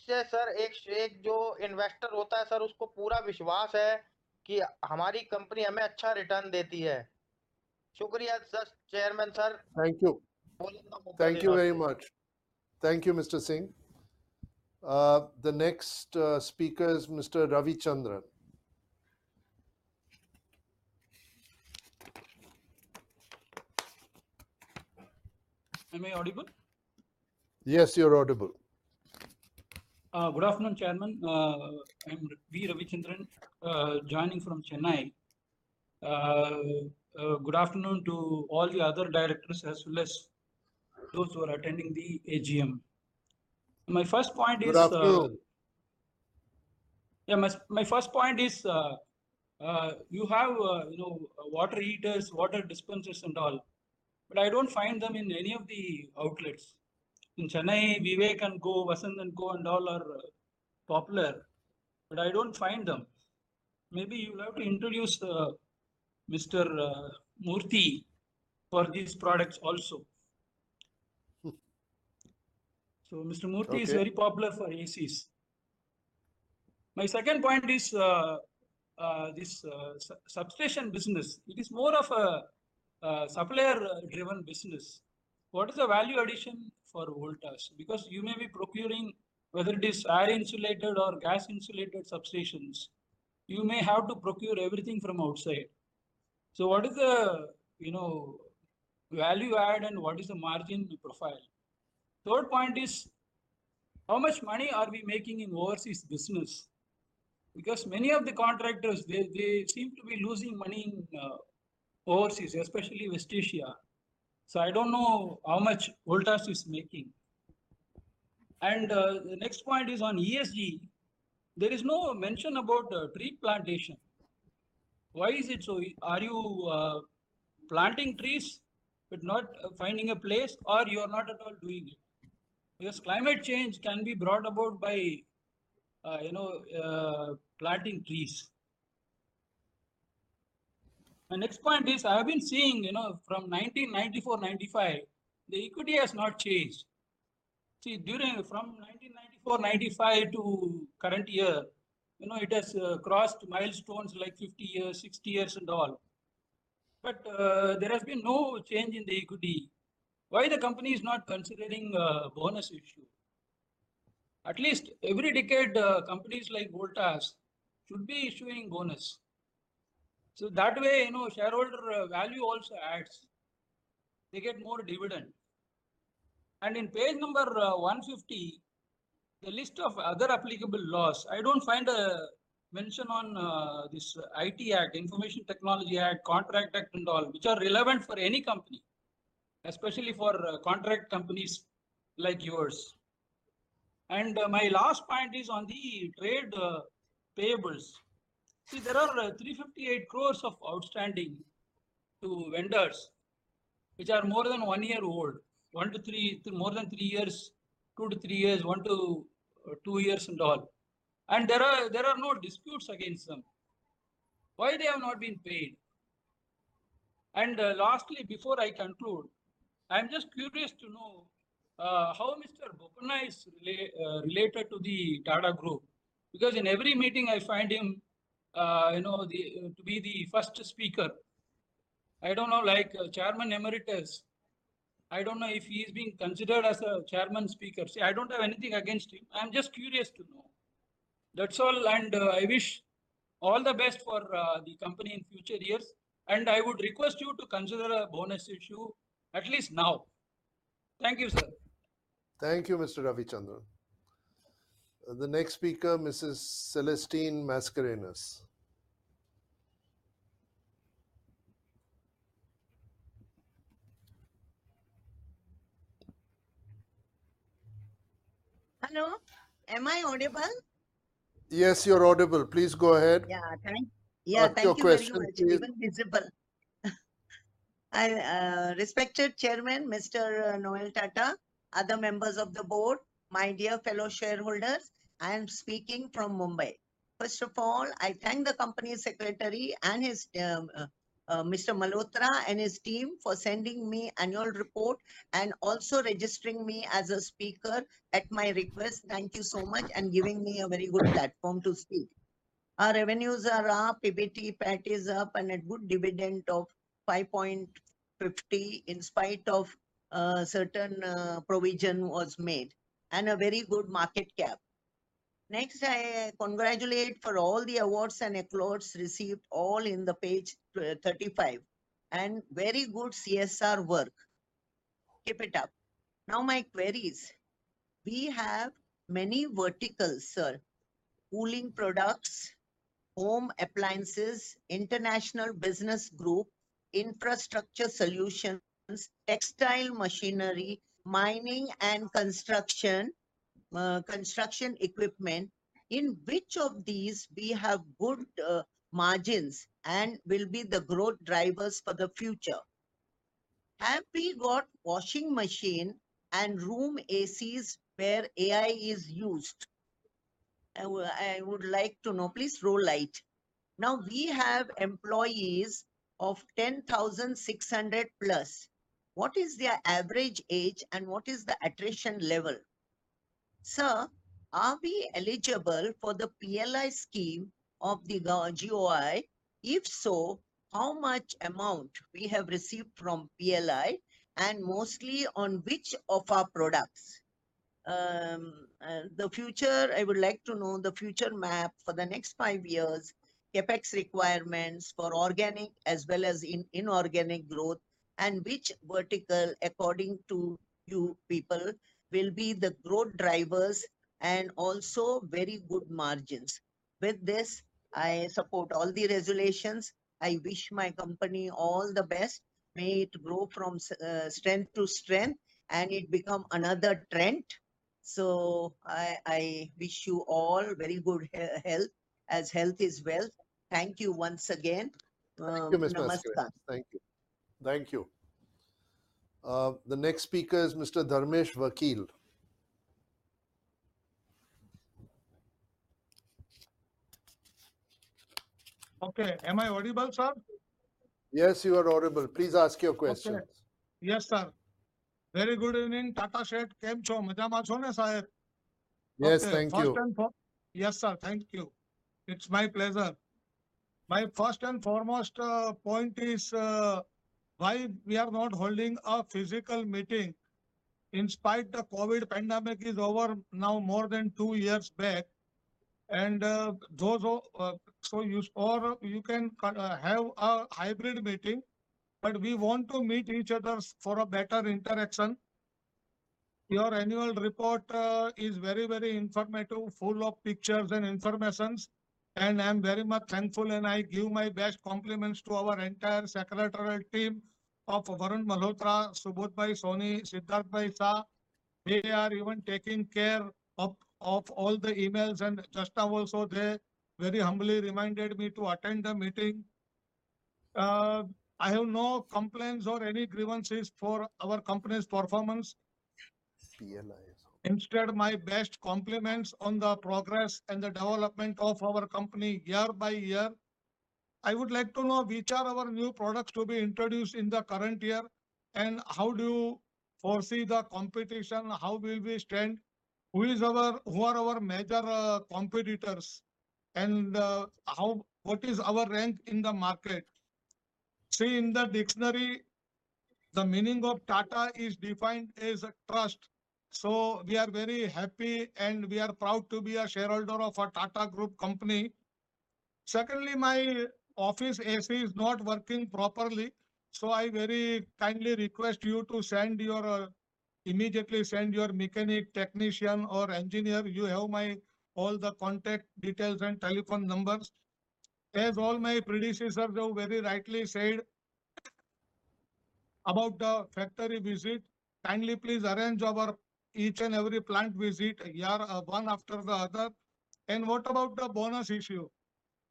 you very much. Thank you, Mr. Singh. The next speaker is Mr. Ravichandran. Am I audible? Yes, you're audible. Good afternoon, Chairman. I'm V. Ravichandran, joining from Chennai. Good afternoon to all the other directors, as well as those who are attending the AGM. My first point is, Good afternoon. Yeah, my first point is, you know, water heaters, water dispensers and all, but I don't find them in any of the outlets. In Chennai, Viveks, Vasanth & Co, and all are popular, but I don't find them. Maybe you will have to introduce Mr. Murthy for these products also. So Mr. Murthy- Okay... is very popular for ACs. My second point is, this substation business. It is more of a, supplier-driven business. What is the value addition for Voltas? Because you may be procuring, whether it is air-insulated or gas-insulated substations, you may have to procure everything from outside. So what is the, you know, value add and what is the margin profile? Third point is, how much money are we making in overseas business? Because many of the contractors, they seem to be losing money in, overseas, especially West Asia. So I don't know how much Voltas is making. And, the next point is on ESG. There is no mention about, tree plantation. Why is it so? Are you, planting trees but not finding a place, or you are not at all doing it? Because climate change can be brought about by, you know, planting trees. My next point is, I have been seeing, you know, from 1994, 1995, the equity has not changed. See, from 1994, 1995 to current year, you know, it has crossed milestones like 50 years, 60 years, and all. But there has been no change in the equity. Why the company is not considering a bonus issue? At least every decade, companies like Voltas should be issuing bonus. So that way, you know, shareholder value also adds. They get more dividend. And in page number 150, the list of other applicable laws, I don't find a mention on this IT Act, Information Technology Act, Contract Act and all, which are relevant for any company, especially for contract companies like yours. My last point is on the trade payables. See, there are 358 crore of outstanding to vendors, which are more than one year old. One to three, to more than three years, two to three years, one to two years, and all. And there are, there are no disputes against them. Why they have not been paid? And lastly, before I conclude, I'm just curious to know how Mr. Bopanna is related to the Tata Group, because in every meeting I find him, you know, the to be the first speaker. I don't know, like Chairman Emeritus. I don't know if he's being considered as a chairman speaker. See, I don't have anything against him, I'm just curious to know. That's all, and I wish all the best for the company in future years, and I would request you to consider a bonus issue at least now. Thank you, sir. Thank you, Mr. Ravichandran. The next speaker, Mrs. Celestine Mascarenhas. Hello, am I audible? Yes, you're audible. Please go ahead. Yeah, thank. Ask your question, please. Yeah, thank you very much, even visible. I... Respected Chairman, Mr. Noel Tata, other members of the board, my dear fellow shareholders, I am speaking from Mumbai. First of all, I thank the company secretary and his Mr. Malhotra and his team for sending me annual report and also registering me as a speaker at my request. Thank you so much, and giving me a very good platform to speak. Our revenues are up, PBT PAT is up, and a good dividend of 5.50, in spite of certain provision was made, and a very good market cap. Next, I congratulate for all the awards and accolades received all in the page 35, and very good CSR work. Keep it up. Now my queries. We have many verticals, sir: cooling products, home appliances, international business group, infrastructure solutions, textile machinery, mining and construction, construction equipment. In which of these we have good margins and will be the growth drivers for the future? Have we got washing machine and room ACs where AI is used? I would, I would like to know. Please throw light. Now, we have employees of 10,600+. What is their average age, and what is the attrition level? Sir, are we eligible for the PLI scheme of the GOI? If so, how much amount we have received from PLI, and mostly on which of our products? The future, I would like to know the future map for the next five years, CapEx requirements for organic as well as inorganic growth, and which vertical, according to you people, will be the growth drivers and also very good margins. With this, I support all the resolutions. I wish my company all the best. May it grow from strength to strength, and it become another Trent. So I wish you all very good health, as health is wealth. Thank you once again. Thank you, Mrs. Mascarenhas. Namaskar. Thank you. Thank you. The next speaker is Mr. Dharmesh Vakil. Okay. Am I audible, sir? Yes, you are audible. Please ask your questions. Okay. Yes, sir. Very good evening, Tata Seth. Yes, thank you. Yes, sir, thank you. It's my pleasure. My first and foremost point is why we are not holding a physical meeting, in spite of the COVID pandemic is over now more than two years back? And those of so you or you can have a hybrid meeting, but we want to meet each other for a better interaction. Your annual report is very, very informative, full of pictures and information, and I'm very much thankful and I give my best compliments to our entire secretarial team of Varun Malhotra, Subodh Bhai Soni, Siddharth Bhai Sahab. They are even taking care of all the emails, and Shweta also there very humbly reminded me to attend the meeting. I have no complaints or any grievances for our company's performance. PLI. Instead, my best compliments on the progress and the development of our company year by year. I would like to know which are our new products to be introduced in the current year, and how do you foresee the competition? How will we stand? Who is our... Who are our major competitors, and how- what is our rank in the market? See, in the dictionary, the meaning of Tata is defined as a trust, so we are very happy, and we are proud to be a shareholder of a Tata Group company. Secondly, my office AC is not working properly, so I very kindly request you to send your immediately send your mechanic, technician, or engineer. You have my all the contact details and telephone numbers. As all my predecessors have very rightly said-... About the factory visit, kindly please arrange our each and every plant visit year one after the other. What about the bonus issue?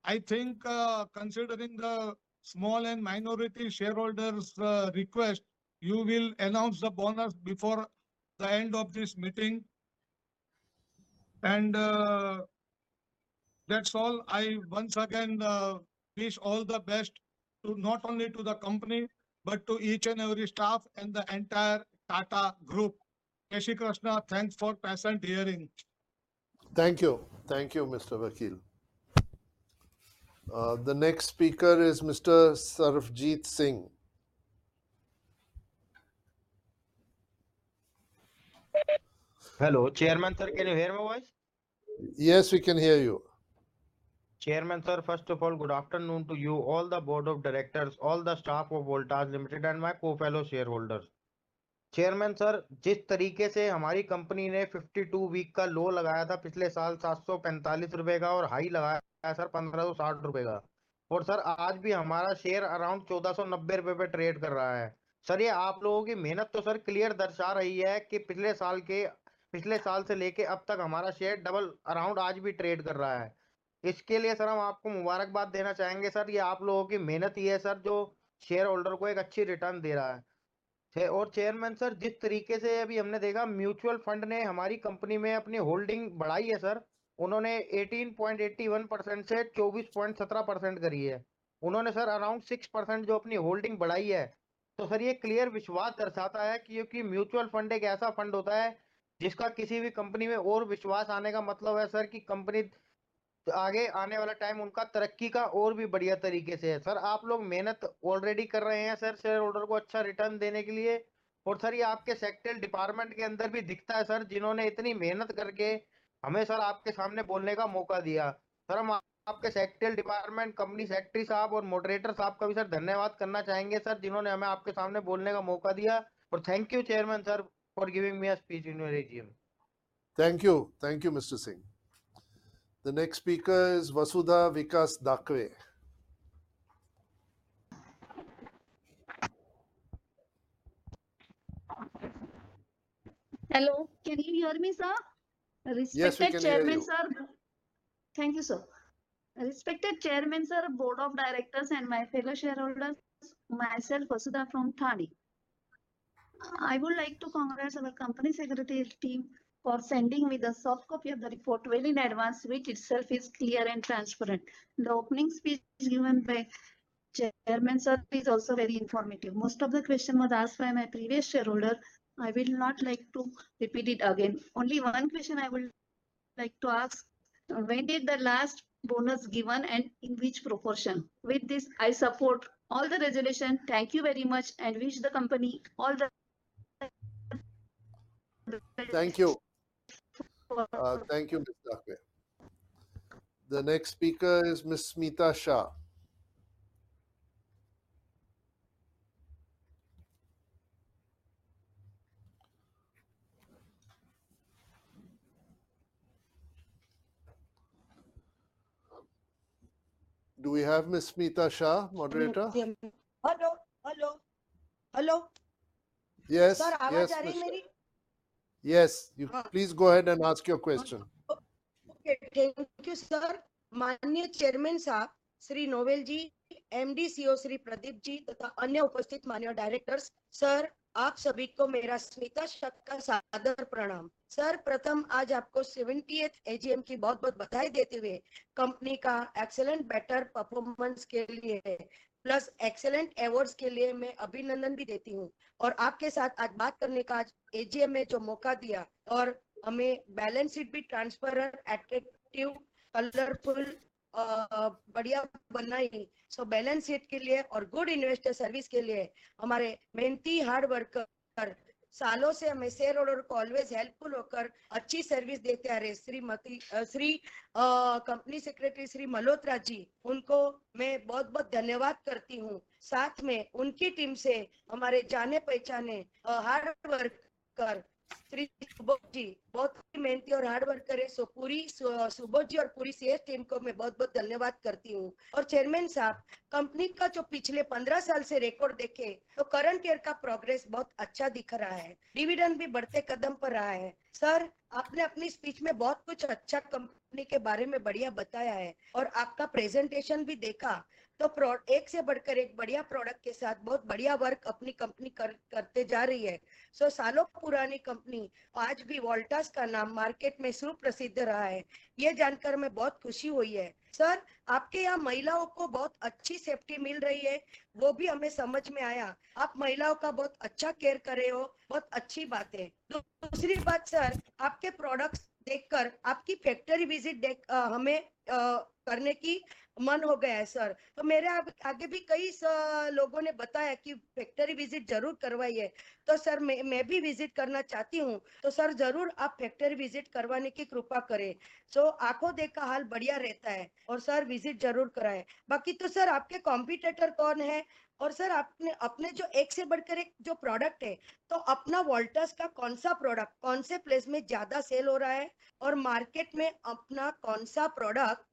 I think considering the small and minority shareholders request, you will announce the bonus before the end of this meeting. That's all. I once again wish all the best to not only to the company, but to each and every staff and the entire Tata Group. Jai Shri Krishna, thanks for patient hearing. Thank you. Thank you, Mr. Vakil. The next speaker is Mr. Sarabjeet Singh. Hello, Chairman Sir, can you hear my voice? Yes, we can hear you. Chairman Sir, first of all, good afternoon to you, all the Board of Directors, all the staff of Voltas Limited, and my co-fellow shareholders. Chairman Sir, जिस तरीके से हमारी company ने 52-week का low लगाया था, पिछले साल INR 745 का और high लगाया sir, INR 1,560 का, और sir आज भी हमारा शेयर around INR 1,490 पर trade कर रहा है। Sir, ये आप लोगों की मेहनत तो sir clear दर्शा रही है कि पिछले साल के, पिछले साल से लेकर अब तक हमारा share double around आज भी trade कर रहा है। इसके लिए sir हम आपको मुबारकबाद देना चाहेंगे sir, ये आप लोगों की मेहनत ही है sir, जो shareholder को एक अच्छी return दे रहा है। और chairman sir, जिस तरीके से अभी हमने देखा mutual fund ने हमारी company में अपनी holding बढ़ाई है sir, उन्होंने 18.81% से 24.17% करी है। उन्होंने sir, around 6% जो अपनी holding बढ़ाई है, तो sir ये clear विश्वास दर्शाता है कि क्योंकि mutual fund एक ऐसा fund होता है, जिसका किसी भी company में और विश्वास आने का मतलब है sir, कि company आगे आने वाला time उनका तरक्की का और भी बढ़िया तरीके से है। Sir, आप लोग मेहनत already कर रहे हैं sir, shareholder को अच्छा return देने के लिए, और sir, ये आपके secretarial department के अंदर भी दिखता है sir, जिन्होंने इतनी मेहनत करके हमें sir, आपके सामने बोलने का मौका दिया। sir, हम आपके secretarial department, company secretary साहब और moderator साहब का भी sir धन्यवाद करना चाहेंगे sir, जिन्होंने हमें आपके सामने बोलने का मौका दिया, और thank you chairman sir, for giving me a speech in your AGM. Thank you. Thank you, Mr. Singh. The next speaker is Vasudha Vikas Dakwe. Hello, can you hear me, sir? Yes, we can hear you. Thank you, sir. Respected Chairman Sir, Board of Directors, and my fellow shareholders, myself Vasudha from Thane. I would like to congratulate our company secretary team for sending me the soft copy of the report well in advance, which itself is clear and transparent. The opening speech given by Chairman Sir is also very informative. Most of the question was asked by my previous shareholder. I will not like to repeat it again. Only one question I would like to ask, when did the last bonus given and in which proportion? With this, I support all the resolution. Thank you very much and wish the company all the- Thank you. Thank you, Ms. Dakwe. The next speaker is Miss Smita Shah. Do we have Miss Smita Shah, moderator? Hello, hello, hello. Yes. Sir, आवाज़ आ रही है मेरी? Yes, please go ahead and ask your question. Okay, thank you, sir. माननीय Chairman साहब, Shri Noel जी, MD CEO Shri Pradeep जी तथा अन्य उपस्थित माननीय Directors, Sir, आप सभी को मेरा Smita Shah का सादर प्रणाम। Sir, प्रथम आज आपको 70th AGM की बहुत-बहुत बधाई देते हुए Company का excellent better performance के लिए plus excellent awards के लिए मैं अभिनंदन भी देती हूं, और आपके साथ आज बात करने का आज AGM में जो मौका दिया और हमें balance sheet भी transparent, attractive, colorful, बढ़िया बनाना ही, so balance sheet के लिए और good investor service के लिए हमारे मेहनती hard worker, सालों से हमें shareholder को always helpful होकर अच्छी service देते आ रहे हैं। Shrimati, Shri, Company Secretary Shri Malhotra जी, उनको मैं बहुत-बहुत धन्यवाद करती हूं। साथ में उनकी team से हमारे जाने-पहचाने, hard worker Shri Subodh ji, बहुत मेहनती और hard worker है, so पूरी, Subodh जी और पूरी sales team को मैं बहुत-बहुत धन्यवाद करती हूं। और Chairman साहब, Company का जो पिछले 15 साल से record देखें, तो current year का progress बहुत अच्छा दिख रहा है। Dividend भी बढ़ते कदम पर आ रहा है। Sir, आपने अपनी speech में बहुत कुछ अच्छा Company के बारे में बढ़िया बताया है और आपका presentation भी देखा, तो pro- एक से बढ़कर एक बढ़िया product के साथ बहुत बढ़िया work अपनी Company कर, करते जा रही है। So सालों पुरानी Company, आज भी Voltas का नाम market में सुप्रसिद्ध रहा है, यह जानकर मैं बहुत खुशी हुई है। Sir, आपके यहां महिलाओं को बहुत अच्छी safety मिल रही है, वो भी हमें समझ में आया। आप महिलाओं का बहुत अच्छा care कर रहे हो, बहुत अच्छी बात है। तो दूसरी बात Sir, आपके products देखकर आपकी factory visit दे, हमें, करने की मन हो गया है Sir। तो मेरे आगे भी कई लोगों ने बताया कि factory visit जरूर करवाइए। तो Sir, मैं, मैं भी visit करना चाहती हूं, तो Sir जरूर आप factory visit करवाने की कृपा करें। So आंखों देख का हाल बढ़िया रहता है, और Sir, visit जरूर कराएं। बाकी तो Sir, आपके competitor कौन है? Aur sir, aapne apne jo ek se badhkar ek jo product hai, to apna Voltas ka kaun sa product kaun se place mein zyada sell ho raha hai, aur market mein apna kaun sa product...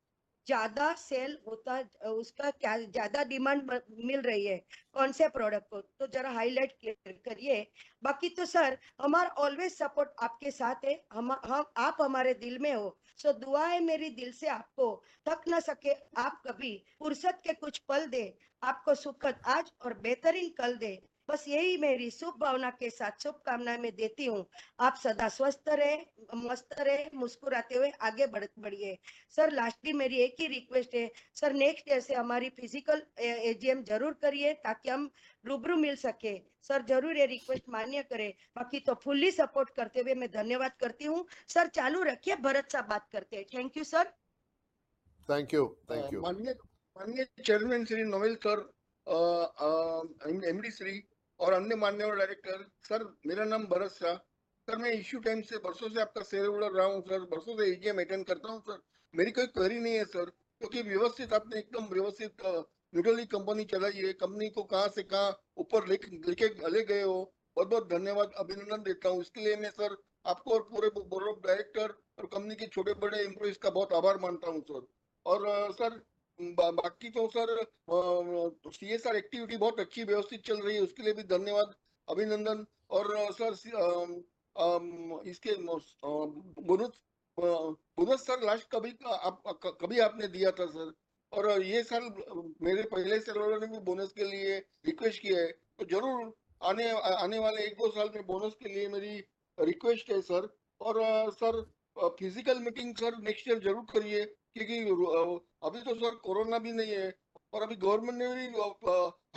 zyada sell hota, uska kya zyada demand mil rahi hai, kaun se product ko? तो जरा highlight करिए। बाकी तो sir, हमारा always support आपके साथ है। हम आप हमारे दिल में हो, सो दुआएं हैं मेरी दिल से आपको थक ना सके आप कभी, फुर्सत के कुछ पल दे, आपको सुखद आज और बेहतरीन कल दे, बस यही मेरी शुभ भावना के साथ शुभकामनाएं मैं देती हूं। आप सदा स्वस्थ रहें, मस्त रहें, मुस्कुराते हुए आगे बढ़ते बढ़िए। सर, लास्टली मेरी एक ही रिक्वेस्ट है, सर नेक्स्ट ईयर से हमारी फिजिकल एजीएम जरूर करिए ताकि हम रूबरू मिल सकें। सर जरूर यह रिक्वेस्ट मान्य करें, बाकी तो फुल्ली सपोर्ट करते हुए मैं धन्यवाद करती हूं। सर, चालू रखिए, भरत साहब बात करते हैं। Thank you sir. Thank you, thank you. Mananiya mananiya Chairman Shri Noel Sir, MD Shri aur anya mananiya directors. Sir, mera naam Bharat hai. Sir, main issue time se barson se aapka shareholder raha hoon, sir barson se AGM attend karta hoon sir. Meri koi shikayat nahi hai sir, kyunki vyavasthit aapne ekdum vyavasthit multinational company chalai hai. Company ko kahan se kahan upar lekar le gaye ho, bahut-bahut dhanyavad, abhinandan deta hoon uske liye main sir, aapko aur poore Board of Directors aur company ke chhote bade employees ka bahut aabhar manta hoon sir. Aur sir baaki to sir CSR activity bahut acchi vyavasthit chal rahi hai, uske liye bhi dhanyavad, abhinandan! Aur sir, iske bonus sir, last kabhi aapne diya tha sir aur yeh saal mere pehle shareholder ne bhi bonus ke liye request kiya hai to jarur aane wale 1-2 saal mein bonus ke liye meri request hai sir aur sir, physical meeting sir next year jarur kariye, kyunki abhi to sir corona bhi nahi hai aur abhi government ne bhi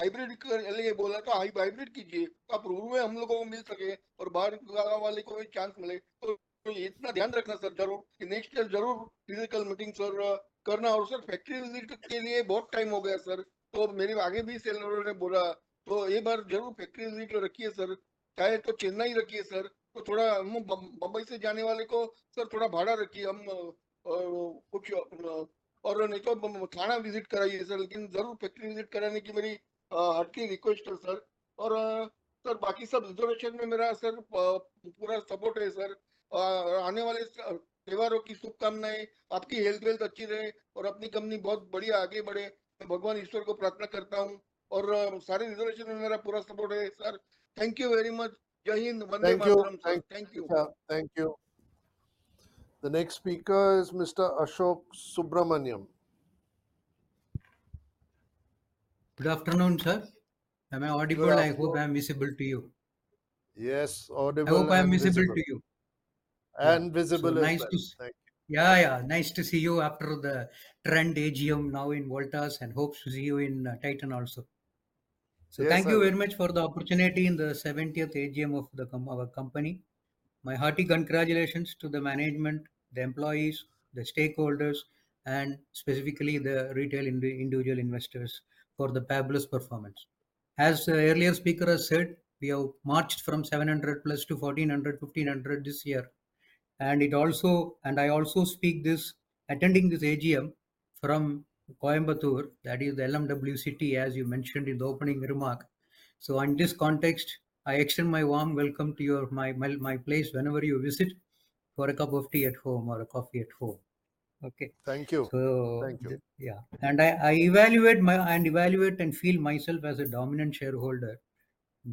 hybrid ke liye bola to hybrid kijiye, taki rubaru mein hum logon ko mil sakein aur bahar wale walon ko bhi chance mile. To itna dhyan rakhna sir jarur ki next year jarur physical meeting sir karna aur sir factory visit ke liye bahut time ho gaya sir. To mere aage bhi shareholder ne bola to ek baar jarur factory visit rakhiye sir. Chahe to Chennai rakhiye sir, to thoda Mumbai se jane wale ko sir thoda bhada rakhiye. Hum aur nahi to khana visit karaiye sir, lekin jarur factory visit karane ki meri heartily request hai sir. Aur sir baaki sab resolutions mein mera sir pura support hai sir. Aur aane wale dinon ki shubhkamnaen. Aapki health wealth achhi rahe aur apni company bahut badhiya aage badhe, main bhagwan ishwar ko prarthana karta hoon aur saare resolutions mein mera pura support hai sir. Thank you very much. Jai Hind! Thank you, thank you. Thank you. The next speaker is Mr. Ashok Subramaniam. Good afternoon sir. Am I audible, I hope I am visible to you. Yes, audible. I am visible to you. And visible. Yeah, yeah, nice to see you after the Trent AGM now in Voltas and hope to see you in Titan also. So thank you very much for the opportunity in the 17th AGM of our company. My hearty congratulations to the management, the employees, the stakeholders and specifically the retail individual investors for the fabulous performance. As early as speaker said, we have marched from 700+ to 1,400 1,500 this year and it also and I also speak this attending this AGM from Coimbatore, that is the LMW city, as you mentioned in the opening remark. So, in this context, I extend my warm welcome to your my my place one ever you visit for a cup of tea at home or coffee at home. Okay. Thank you! So- thank you. I evaluate and evaluate and feel myself as a dominant shareholder,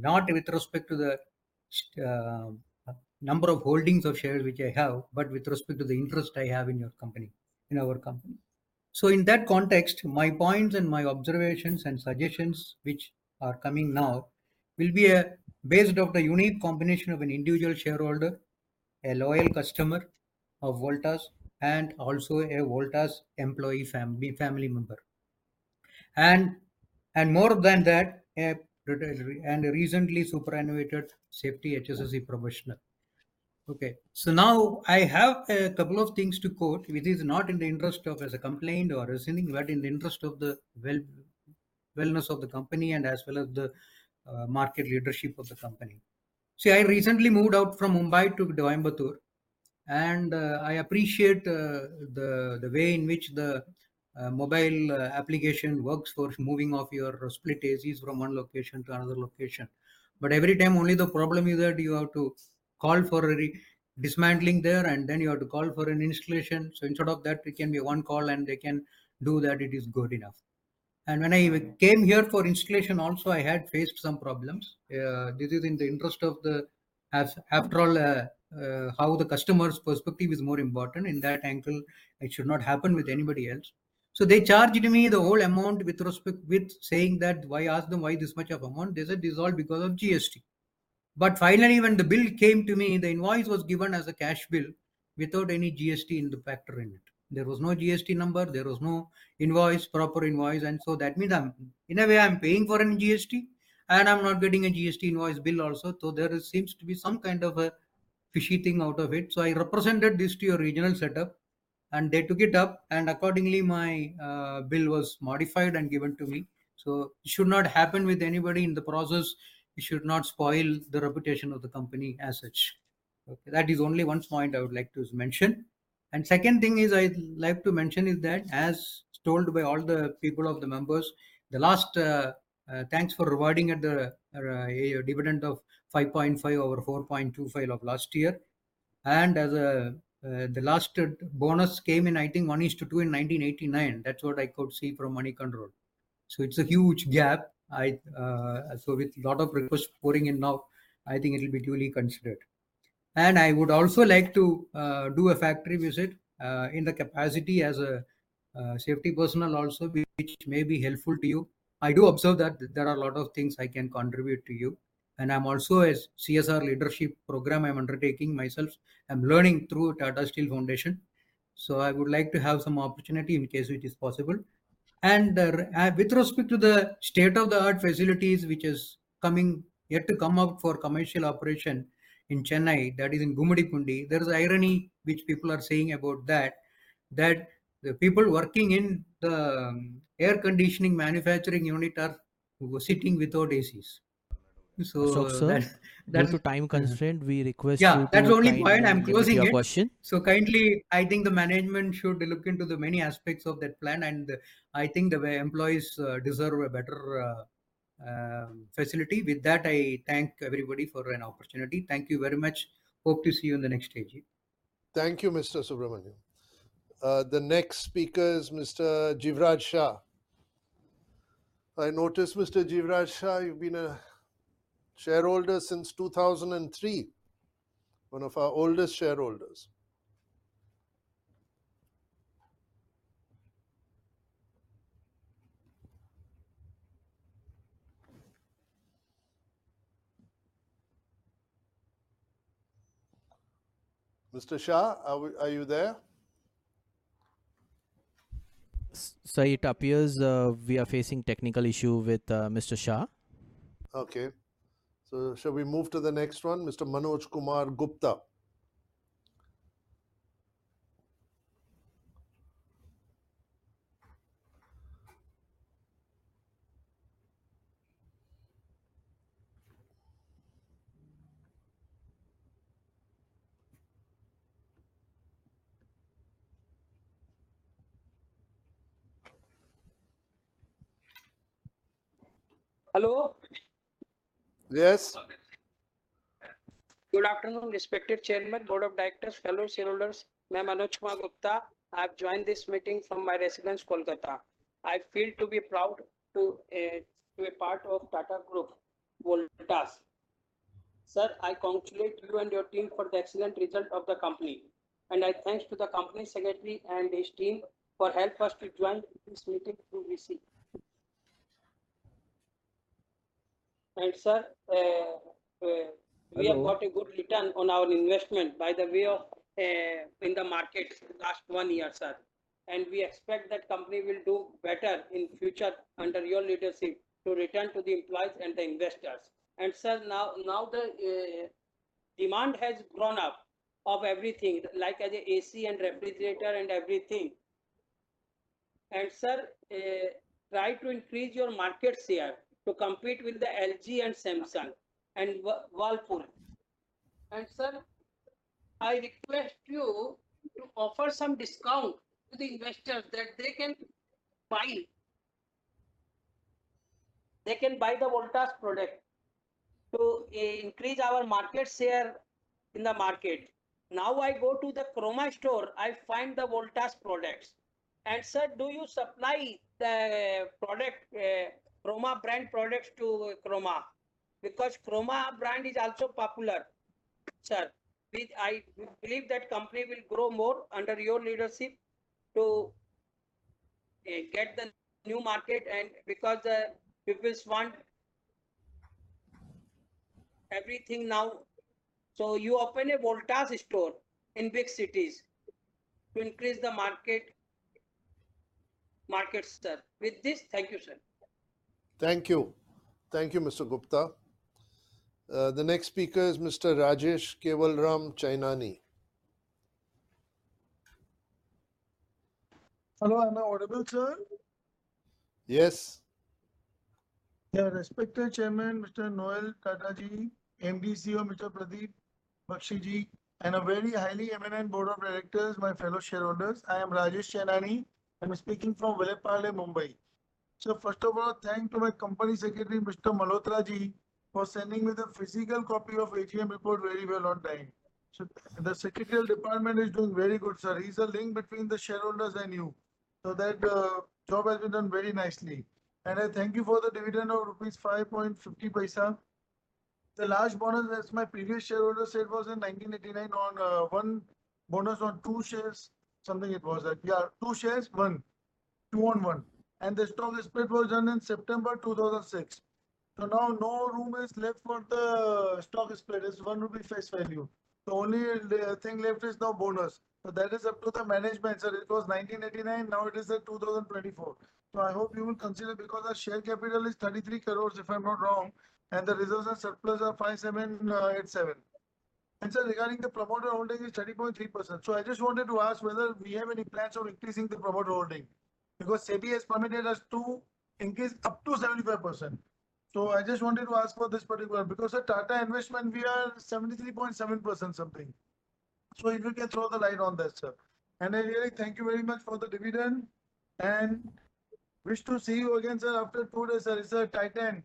not with respect to the number of holdings of shares which I have, but with respect to the interest I have in your company in our company. So, in that context, my points and my observations and suggestions which are coming now, will be based off the unique combination of an individual shareholder, a loyal customer of Voltas and also a Voltas employee family family member. And and more than that and recently superannuated safety HSSC professional. Okay, so now I have a couple of things to quote, which is not in the interest of a complaint or reasoning, but in the interest of the well-being of the company and as well as the market leadership of the company. See, I recently moved out from Mumbai to Coimbatore and I appreciate the way in which the mobile application works for moving of your split AC from one location to another location. But every time only the problem is that you have to call for a dismantling there and then you have to call for an installation. So, instead of that, it can be one call and they can do that it is good enough. And when I came here for installation, also I had faced some problems. This is in the interest of the after all, how the customer's perspective is more important in that angle, it should not happen with anybody else. So they charged me the whole amount with respect with saying that why ask the why this much of amount? This is all because of GST. But finally, when the bill came to me, the invoice was given as a cash bill, without any GST factored in it. There was no GST number, there was no invoice, proper invoice and so that means in a way, I am paying in GST and I am not getting a GST invoice bill also. So, there seems to be some kind of a fishy thing out of it. So, I represented this to your regional setup and they took it up and accordingly my bill was modified and given to me. So, it should not happen with anybody in the process, it should not spoil the reputation of the company as such. That is only one point I would like to mention. And second thing is I would like to mention is that as told by all the people of the members, the last thanks for rewards and the dividend of 5.5 over 4.25 of last year. As the last bonus came in, I think, 1:2 in 1989. That's what I could see from Moneycontrol. So it's a huge gap. With a lot of requests pouring in now, I think it will be duly considered. And I would also like to do a factory visit in the capacity as a safety personnel also, which may be helpful to you. I do observe that there are a lot of things I can contribute to you, and I'm also a CSR leadership program I'm undertaking myself. I'm learning through Tata Steel Foundation, so I would like to have some opportunity in case it is possible. With respect to the state-of-the-art facilities, which is coming, yet to come up for commercial operation in Chennai, that is in Gummidipundi, there is irony which people are saying about that, that the people working in the air conditioning manufacturing unit are sitting without ACs. So that- Sir, due to time constraint, we request you to- Yeah, that's the only point. I'm closing it -your question. So kindly, I think the management should look into the many aspects of that plan, and I think the way employees deserve a better facility. With that, I thank everybody for an opportunity. Thank you very much. Hope to see you in the next AG. Thank you, Mr. Subramaniam. The next speaker is Mr. Jivraj Shah. I notice, Mr. Jivraj Shah, you've been a shareholder since 2003, one of our oldest shareholders. Mr. Shah, are you there? Sir, it appears we are facing technical issue with Mr. Shah. Okay. So shall we move to the next one, Mr. Manoj Kumar Gupta? Hello. Yes. Good afternoon, respective Chairman, Board of Directors, fellow shareholders. I'm Manoj Kumar Gupta. I've joined this meeting from my residence, Kolkata. I feel to be proud to be a part of Tata Group, Voltas. Sir, I congratulate you and your team for the excellent result of the company, and I thank to the company secretary and his team for help us to join this meeting through VC. And, sir, Hello... we have got a good return on our investment by the way of in the market last one year, sir, and we expect that company will do better in future under your leadership to return to the employees and the investors. And, sir, now the demand has grown up of everything, like the AC and refrigerator and everything. And, sir, try to increase your market share to compete with the LG and Samsung and Whirlpool. And, sir, I request you to offer some discount to the investors that they can buy. They can buy the Voltas product to increase our market share in the market. Now, I go to the Croma store, I find the Voltas products. And, sir, do you supply the product, Croma brand products to Croma? Because Croma brand is also popular, sir. Which I believe that company will grow more under your leadership to get the new market and because the people want everything now. So you open a Voltas store in big cities to increase the market, market share. With this, thank you, sir. Thank you. Thank you, Mr. Gupta. The next speaker is Mr. Rajesh Kewalram Chainani. Hello, am I audible, sir? Yes. Yeah, respected Chairman, Mr. Noel Tata Ji, MD CEO, Mr. Pradeep Bakshi Ji, and a very highly eminent board of directors, my fellow shareholders, I am Rajesh Chainani, I'm speaking from Vile Parle, Mumbai. So first of all, thank to my Company Secretary, Mr. Malhotra Ji, for sending me the physical copy of AGM report very well on time. So the secretary department is doing very good, sir. He's a link between the shareholders and you, so that job has been done very nicely. And I thank you for the dividend of rupees 5.50. The last bonus, as my previous shareholder said, was in 1989 on one bonus on two shares, something it was like. Yeah, two shares, one. Two on one. And the stock split was done in September 2006. So now no room is left for the stock split. It's 1 rupee face value. The only thing left is the bonus, but that is up to the management, sir. It was 1989, now it is 2024. So I hope you will consider because our share capital is 33 crore, if I'm not wrong, and the reserves and surplus are 5,787 crore. And, sir, regarding the promoter holding is 30.3%. So I just wanted to ask whether we have any plans on increasing the promoter holding, because SEBI has permitted us to increase up to 75%. So I just wanted to ask for this particular, because at Tata Investment, we are 73.7% something. So if you can throw the light on that, sir. And I really thank you very much for the dividend, and-... Wish to see you again, sir, after two days, sir. It's a Titan.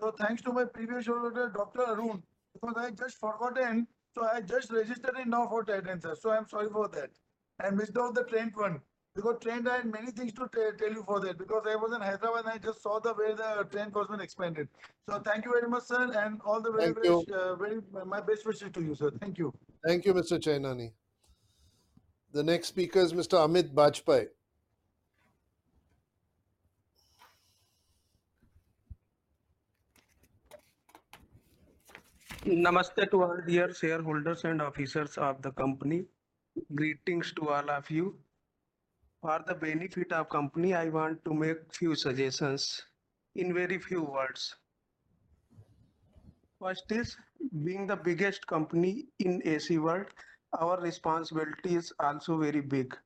So thanks to my previous shareholder, Dr. Arun, because I just forgot him, so I just registered now for Titan, sir. So I'm sorry for that. And missed out the train one, because train, I had many things to tell you for that, because I was in Hyderabad, and I just saw the way the train was been expanded. So thank you very much, sir, and all the very best. Thank you. My best wishes to you, sir. Thank you. Thank you, Mr. Chainani. The next speaker is Mr. Amit Bajpai. Namaste to all dear shareholders and officers of the company. Greetings to all of you. For the benefit of company, I want to make few suggestions in very few words. First is, being the biggest company in AC world, our responsibility is also very big.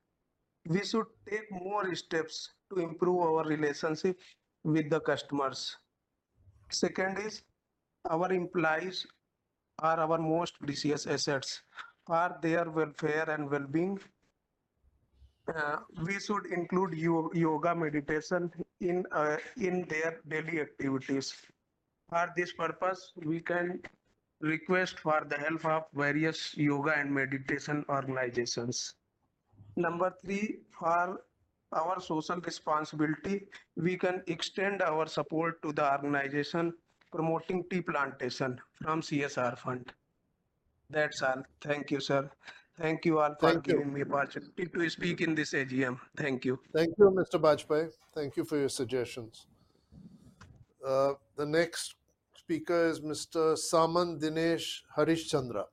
We should take more steps to improve our relationship with the customers. Second is, our employees are our most precious assets. For their welfare and well-being, we should include yoga meditation in their daily activities. For this purpose, we can request for the help of various yoga and meditation organizations. Number three, for our social responsibility, we can extend our support to the organization promoting tea plantation from CSR fund. That's all. Thank you, sir. Thank you all- Thank you. for giving me opportunity to speak in this AGM. Thank you. Thank you, Mr. Bajpai. Thank you for your suggestions. The next speaker is Mr. Saman Dinesh Harishchandra.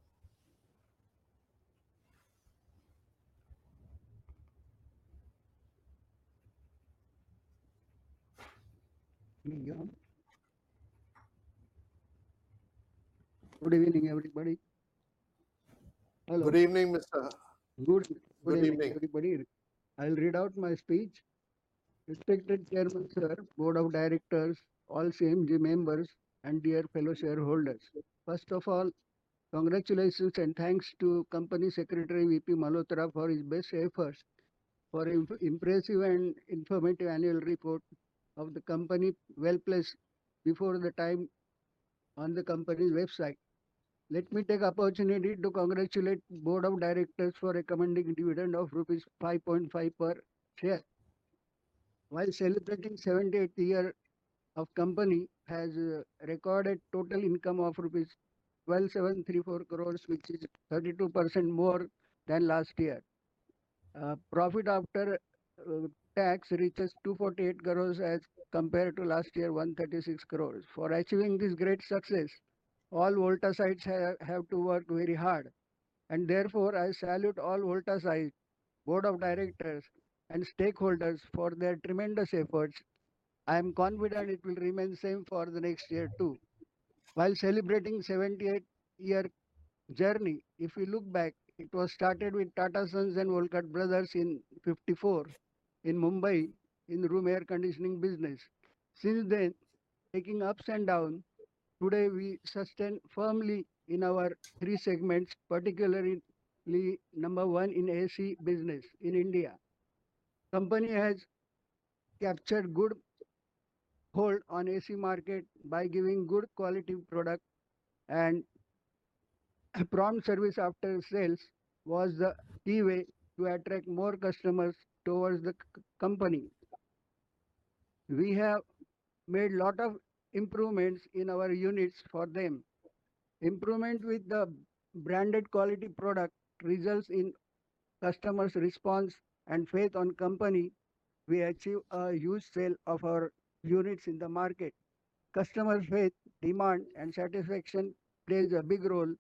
Good evening, everybody. Hello. Good evening, mister. Good- Good evening. Good evening, everybody. I'll read out my speech. Respected Chairman, sir, Board of Directors, all CMG members, and dear fellow shareholders. First of all, congratulations and thanks to Company Secretary, Varun Malhotra, for his best efforts for impressive and informative annual report of the company, well placed before the time on the company's website. Let me take opportunity to congratulate Board of Directors for recommending dividend of rupees 5.5 per share. While celebrating 78th year of company has recorded total income of rupees 12,734 crores, which is 32% more than last year. Profit after tax reaches 248 crores as compared to last year, 136 crores. For achieving this great success, all Voltasites have to work very hard, and therefore, I salute all Voltasites, Board of Directors, and stakeholders for their tremendous efforts. I am confident it will remain the same for the next year, too. While celebrating 78-year journey, if we look back, it was started with Tata Sons and Volkart Brothers in 1954 in Mumbai in the room air conditioning business. Since then, taking ups and downs, today, we sustain firmly in our three segments, particularly number one in AC business in India. Company has captured good hold on AC market by giving good quality product and a prompt service after sales was the key way to attract more customers towards the company. We have made a lot of improvements in our units for them. Improvement with the branded quality product results in customers' response and faith on company. We achieve a huge sale of our units in the market. Customers' faith, demand, and satisfaction plays a big role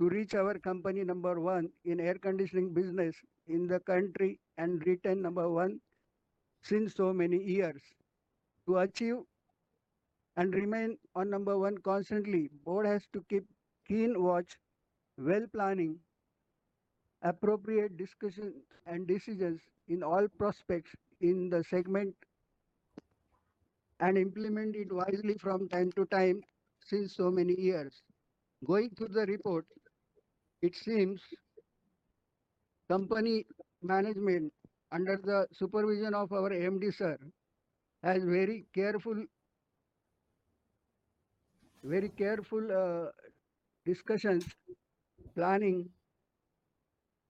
to reach our company number one in air conditioning business in the country, and retain number one since so many years. To achieve and remain on number one constantly, board has to keep keen watch, well planning, appropriate discussions and decisions in all prospects in the segment, and implement it wisely from time to time, since so many years. Going through the report, it seems company management, under the supervision of our MD, sir, has very careful, very careful, discussions, planning,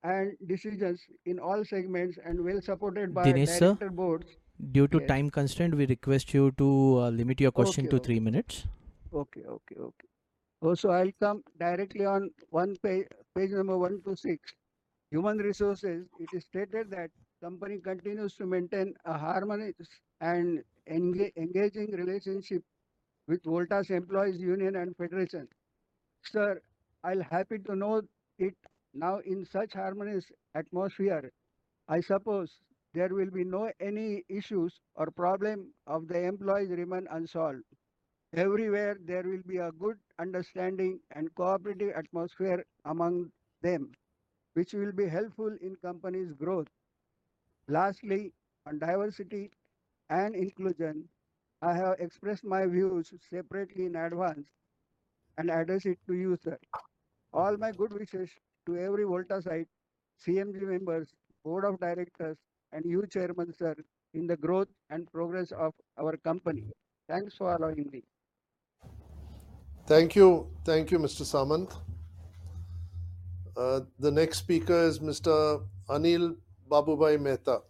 and decisions in all segments and well supported by the director boards. Dinesh, sir, due to time constraint, we request you to limit your question- Okay. -to three minutes. Okay, okay, okay. Also, I'll come directly on one page, page number 1 to 6. Human resources, it is stated that company continues to maintain a harmonious and engaging relationship with Voltas Employees Union and Federation. Sir, I'll happy to know it now in such harmonious atmosphere, I suppose there will be no any issues or problem of the employees remain unsolved. Everywhere, there will be a good understanding and cooperative atmosphere among them, which will be helpful in company's growth. Lastly, on diversity and inclusion, I have expressed my views separately in advance... and address it to you, sir. All my good wishes to every Voltasite, CMG members, board of directors, and you, Chairman, sir, in the growth and progress of our company. Thanks for allowing me. Thank you. Thank you, Mr. Samant. The next speaker is Mr. Anil Babubhai Mehta.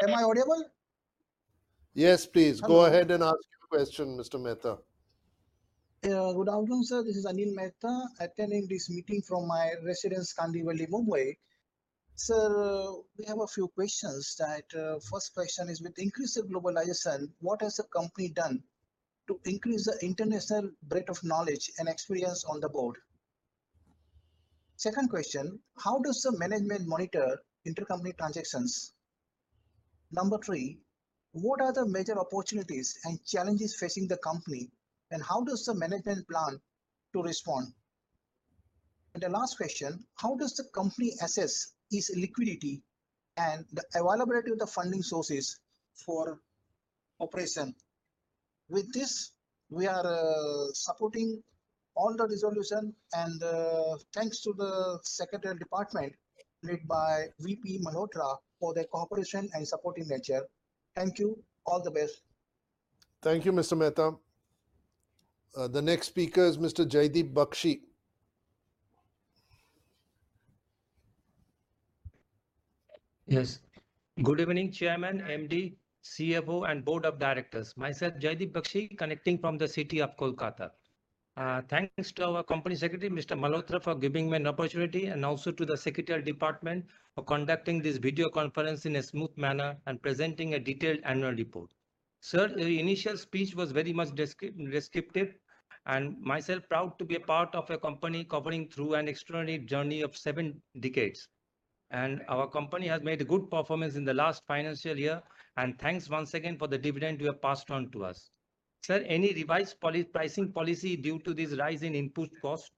Hello, am I audible? Yes, please. Go ahead and ask your question, Mr. Mehta. Good afternoon, sir. This is Anil Mehta, attending this meeting from my residence, Kandivali, Mumbai. Sir, we have a few questions that, first question is: with increasing globalization, what has the company done to increase the international breadth of knowledge and experience on the board? Second question: How does the management monitor intercompany transactions? Number three: What are the major opportunities and challenges facing the company, and how does the management plan to respond? And the last question: How does the company assess its liquidity and the availability of the funding sources for operation? With this, we are, supporting all the resolution, and, thanks to the secretary department led by VP Malhotra, for their cooperation and supportive nature. Thank you. All the best. Thank you, Mr. Mehta. The next speaker is Mr. Jaideep Bakshi. Yes. Good evening, Chairman, MD, CFO, and Board of Directors. Myself, Jaideep Bakshi, connecting from the city of Kolkata. Thanks to our company secretary, Mr. Malhotra, for giving me an opportunity, and also to the secretary department for conducting this video conference in a smooth manner and presenting a detailed annual report. Sir, your initial speech was very much descriptive, and myself proud to be a part of a company covering through an extraordinary journey of seven decades. Our company has made a good performance in the last financial year, and thanks once again for the dividend you have passed on to us. Sir, any revised pricing policy due to this rise in input costs?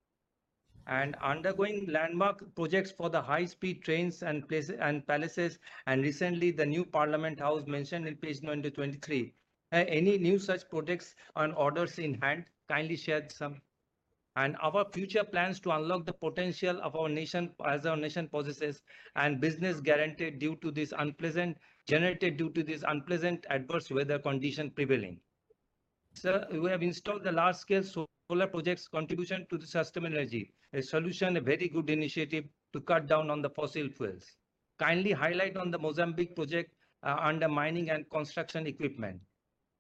And undergoing landmark projects for the high-speed trains and palaces, and recently, the new Parliament House mentioned in page 93. Any new such projects on orders in hand? Kindly share some. And our future plans to unlock the potential of our nation, as our nation possesses, and business guaranteed due to this unpleasant—generated due to this unpleasant adverse weather condition prevailing. Sir, we have installed the large-scale solar projects contribution to the system energy. A solution, a very good initiative to cut down on the fossil fuels. Kindly highlight on the Mozambique project under mining and construction equipment,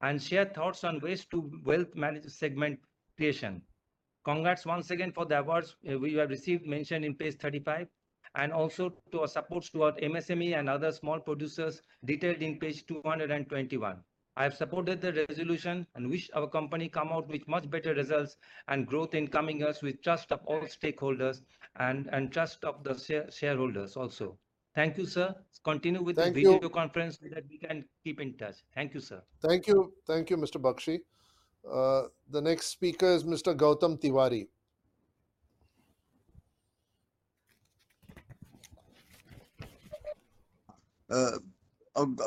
and share thoughts on ways to wealth management segmentation. Congrats once again for the awards we have received mentioned in page 35, and also to our support to our MSME and other small producers, detailed in page 221. I have supported the resolution and wish our company come out with much better results and growth in coming years with trust of all stakeholders and trust of the shareholders also. Thank you, sir. Continue with the- Thank you. video conference, so that we can keep in touch. Thank you, sir. Thank you. Thank you, Mr. Bakshi. The next speaker is Mr. Gautam Tiwari.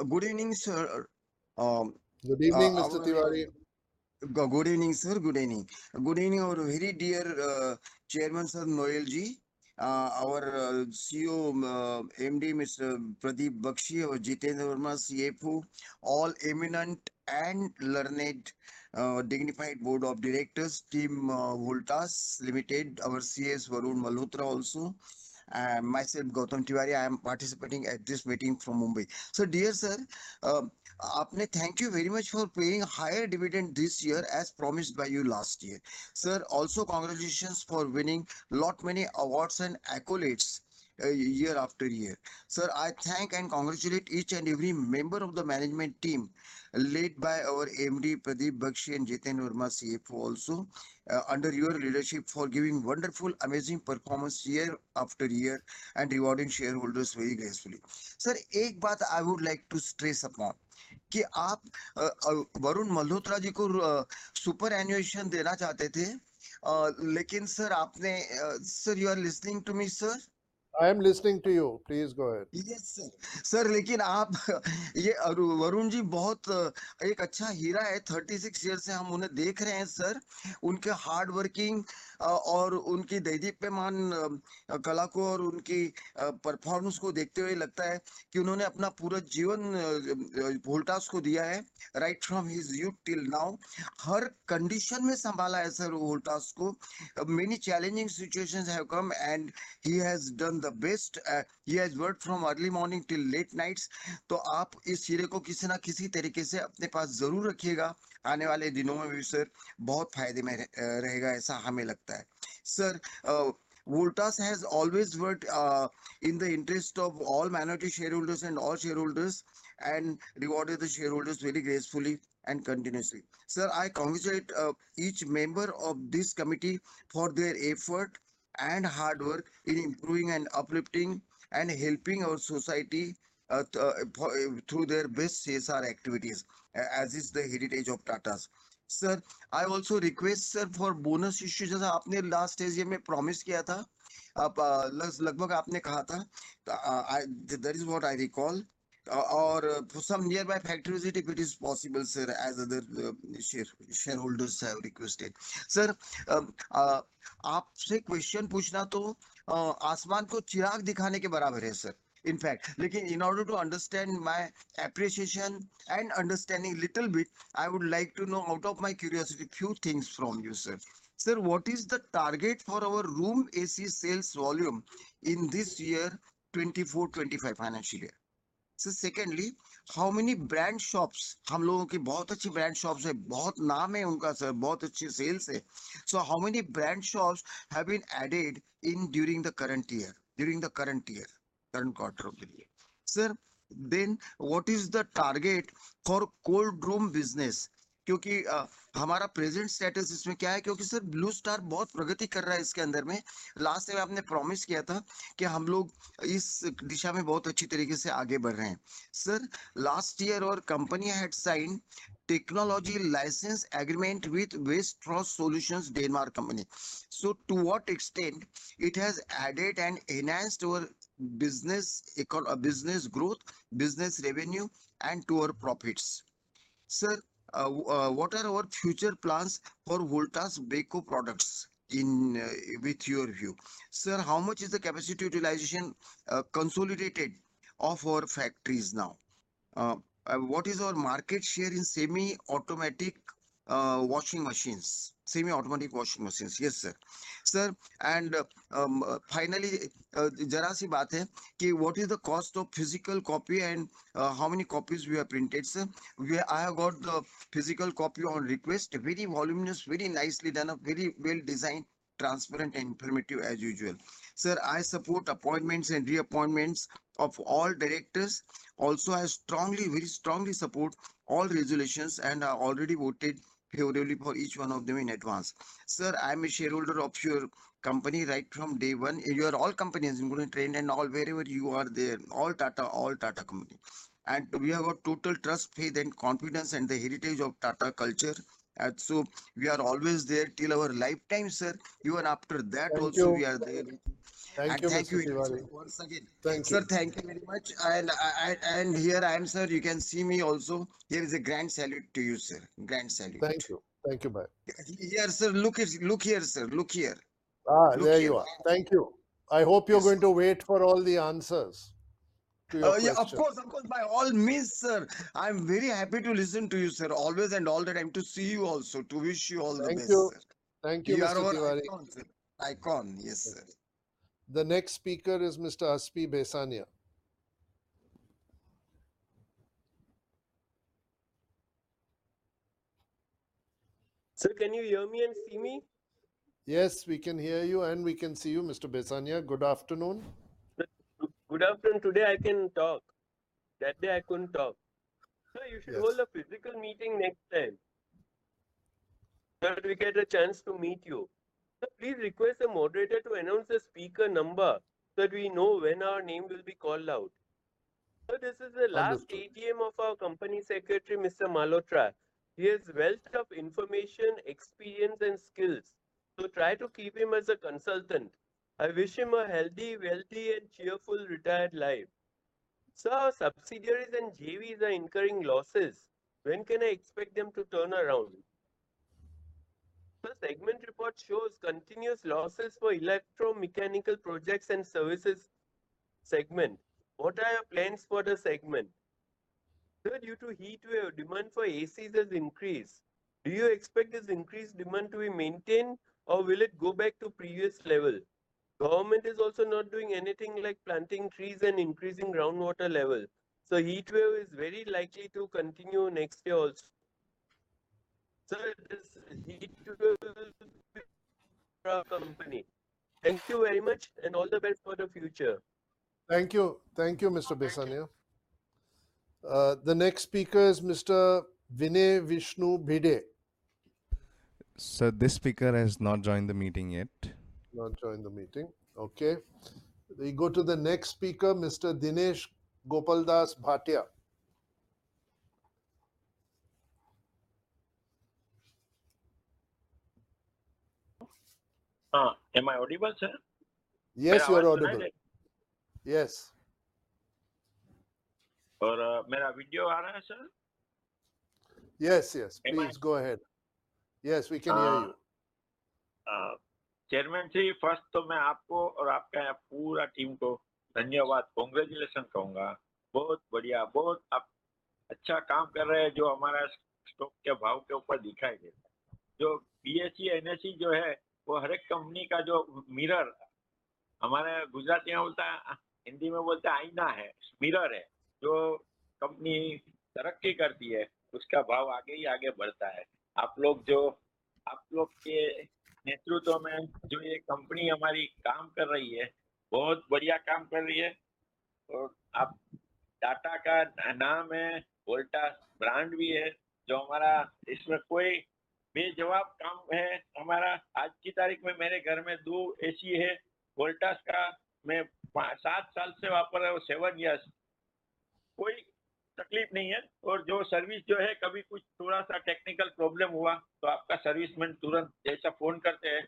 Good evening, sir. Good evening, Mr. Tiwari. Good evening, sir. Good evening. Good evening, our very dear Chairman, sir, Noelji, our CEO, MD, Mr. Pradeep Bakshi, or Jitender Verma, CFO, all eminent and learned, dignified board of directors, team, Voltas Limited, our CS, Varun Malhotra also, myself, Gautam Tiwari. I am participating at this meeting from Mumbai. So dear sir, apne thank you very much for paying higher dividend this year as promised by you last year. Sir, also congratulations for winning lot many awards and accolades, year after year. Sir, I thank and congratulate each and every member of the management team, led by our MD, Pradeep Bakshi, and Jitender Verma, CFO, also, under your leadership for giving wonderful, amazing performance year after year and rewarding shareholders very gracefully. Sir, ek baat I would like to stress upon, ki aap, Varun Malhotra ji ko, superannuation dena chahte the, lekin sir aapne... Sir, you are listening to me, sir? I am listening to you. Please go ahead. Yes, sir. Sir, lekin aap, ye Varun ji bahut ek achha heera hai, 36 years se hum unhe dekh rahe hain, sir. Unke hard working, aur unki dedhiep pe maan, kala ko aur unki, performance ko dekhte hue lagta hai ki unhone apna pura jeevan, Voltas ko diya hai, right from his youth till now. Har condition mein sambhala hai, sir, Voltas ko. Many challenging situations have come, and he has done the best. He has worked from early morning till late nights. Toh aap is heere ko kisi na kisi tareeke se apne paas zaroor rakhiyega. Aane wale dinon mein bhi, sir, bahut fayde mein rahega, aisa hume lagta hai. Sir, Voltas has always worked, in the interest of all minority shareholders and all shareholders, and rewarded the shareholders very gracefully and continuously. Sir, I congratulate each member of this committee for their effort and hard work in improving and uplifting and helping our society through their best CSR activities, as is the heritage of Tatas. Sir, I also request, sir, for bonus issue jaisa aapne last AGM mein promise kiya tha. Ab lagbhag aapne kaha tha, that is what I recall. Aur for some nearby factory visit, if it is possible sir, as other shareholders have requested. Sir, aap se question puchna to, aasman ko chirag dikhane ke barabar hai sir, in fact. But in order to understand my appreciation and understanding little bit, I would like to know out of my curiosity few things from you sir. Sir, what is the target for our room AC sales volume in this year 2024-2025 financial year? So secondly, how many brand shops, we people have very good brand shops, they have a lot of name sir, very good sales. So how many brand shops have been added in during the current year, during the current year, for the current quarter. Sir, then what is the target for cold room business? Because, our present status in this what is? Because sir Blue Star is making a lot of progress in this. Last time you promised that we people are moving forward very well in this direction. Sir, last year our company had signed technology license agreement with Vestfrost Solutions Denmark company. So to what extent it has added and enhanced our business, business growth, business revenue and to our profits. Sir, what are our future plans for Voltas Beko products in your view? Sir, how much is the capacity utilization, consolidated of our factories now? What is our market share in semi-automatic washing machines? Semi-automatic washing machines. Yes, sir. Sir, and finally, jara si baat hai ki what is the cost of physical copy and how many copies we have printed, sir? I have got the physical copy on request. Very voluminous, very nicely done, a very well designed, transparent and pristine as usual. Sir, I support appointments and re-appointments of all directors. Also I strongly, very strongly support all resolutions and I already voted for all for each one of them in advance. Sir, I am a shareholder of your company right from day one. Your all companies in Mundra and all where you are there, all Tata, all Tata company. And we have a total trust, faith and confidence and the heritage of Tata culture. And so we are always there till our lifetime sir, even after that also- thank you. -Once again. Thank you. Sir, thank you very much! And I, and here I am sir, you can see me also. Here is a grand salute to you sir, grand salute. Thank you, thank you bhai. Yes sir, look at, look here sir, look here. Oh, there you are. Thank you. I hope you are going to wait for all the answers to your question. Oh yes, of course, of course, by all means sir. I am very happy to listen to you sir, always and all the time to see you also, to wish you all the best. Thank you, thank you very much. Icon, yes sir. The next speaker is Mr. Aspi Bhesania. Sir, can you hear me and see me? Yes, we can hear you and we can see you, Mr. Bhesania. Good afternoon! Good afternoon, today I can talk. That day I couldn't talk. Yes. Sir, you should have a physical meeting next time, that we get a chance to meet you. Sir, please request a moderator to announce the speaker number, that we know when our name will be called out. Sir, this is the last AGM of our Company Secretary Mr. Malhotra. He has wealth of information, experience and skills, so try to keep him as a consultant. I wish him a healthy, wealthy and cheerful retired life. Sir, our subsidiaries and JVs are incurring losses. When can I expect them to turn around? Sir, segment report shows continuous losses for electromechanical projects and services segment. What are your plans for the segment? Sir, due to heat wave demand for ACs has increased. Do you expect this increased demand to be maintained or will it go back to previous level? Government is also not doing anything like planting trees and increasing ground water level. So heat wave is very likely to continue next year also. Sir, this heat wave..... company. Thank you very much and all the best for the future. Thank you, thank you Mr. Bhesania. The next speaker is Mr. Vinay Vishnu Bhide. Sir, this speaker has not joined the meeting yet. Not joined the meeting. Okay, we go to the next speaker, Mr. Dinesh Gopaldas Bhatia. Am I audible, sir? Yes, you are audible. Yes. और मेरा video आ रहा है sir? Yes, yes, please go ahead. Yes, we can hear you. Chairman ji, first to main aapko aur aapke poora team ko dhanyavaad, congratulations kahunga. Bahut badhiya, bahut aap accha kaam kar rahe hain, jo hamare stock ke bhaav ke upar dikhai dete hain. Jo BSE, NSE jo hai, wo har ek company ka jo mirror, hamare Gujarati mein bolte hain, Hindi mein bolte hain, aaina hai, mirror hai. Jo company taraqqi karti hai, uska bhaav aage hi aage badhta hai. Aap log jo aap log ke netritva mein jo ye company hamari kaam kar rahi hai, bahut badhiya kaam kar rahi hai. Aur aap Tata ka naam hai, Voltas brand bhi hai, jo hamara ismein koi bejawab kaam hai. Hamara aaj ki taarikh mein mere ghar mein 2 AC hai, Voltas ka. Main 5-7 saal se use kar raha hoon, seven years. Takleef nahi hai aur jo service jo hai, kabhi kuch thoda sa technical problem hua, to aapka serviceman turant jaise phone karte hain,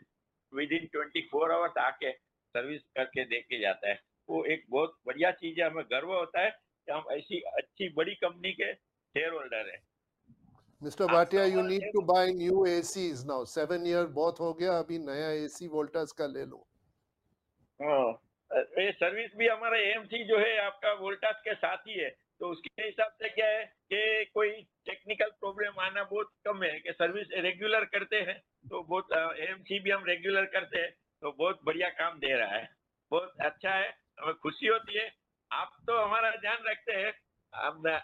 within 24 hours aake service karke deke jaata hai. Wo ek bahut badhiya cheez hai, hamein garv hota hai ki hum aisi acchi badi company ke shareholder hain. Mr. Bhatia, you needed to buy new AC now. Seven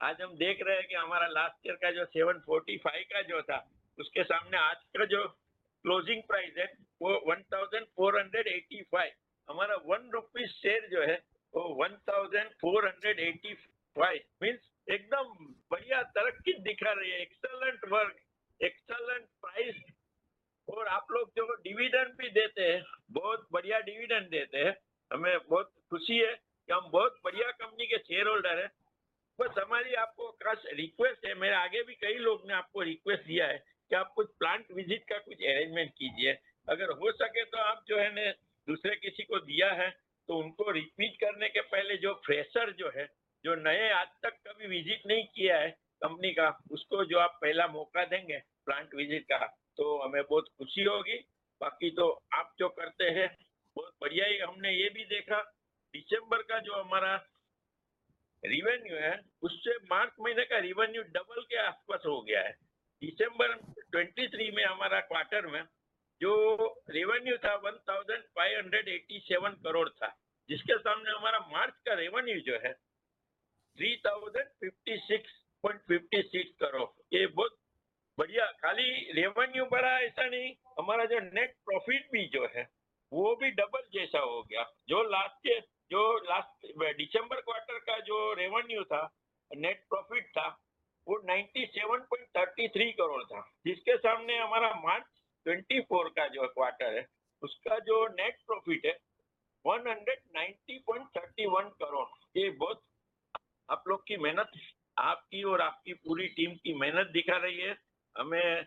year bahut ho gaya, abhi naya AC Voltas ka le lo. हां, AC service भी हमारा AC जो है, आपका Voltas के साथ ही है। तो उसके हिसाब से क्या है कि कोई टेक्निकल प्रॉब्लम आना बहुत कम है, कि सर्विस रेगुलर करते हैं, तो बहुत AC भी हम रेगुलर करते हैं, तो बहुत बढ़िया काम दे रहा है। बहुत अच्छा है, हमें खुशी होती है। आप तो हमारा ध्यान रखते हैं, पर आपके जो सेक्रेटरी डिपार्टमेंट है, वो भी बहुत बढ़िया है। पहले के जो मल्होत्रा थे, अभी के जो सेक्रेटरी है, ये सभी लोग एक से बढ़कर एक है। हमें लगता है कि टाटा ग्रुप जो जिसको सिलेक्ट करते हैं, बहुत बढ़िया लोग ही एक से बढ़कर एक ही ईयर, जो लास्ट दिसंबर क्वार्टर का जो नेट प्रॉफिट था, वो 97.33 करोड़ था। जिसके सामने हमारा मार्च 2024 का जो क्वार्टर है, उसका जो नेट प्रॉफिट है, INR 190.31 करोड़। ये बहुत आप लोग की मेहनत, आपकी और आपकी पूरी टीम की मेहनत दिखा रही है। हमें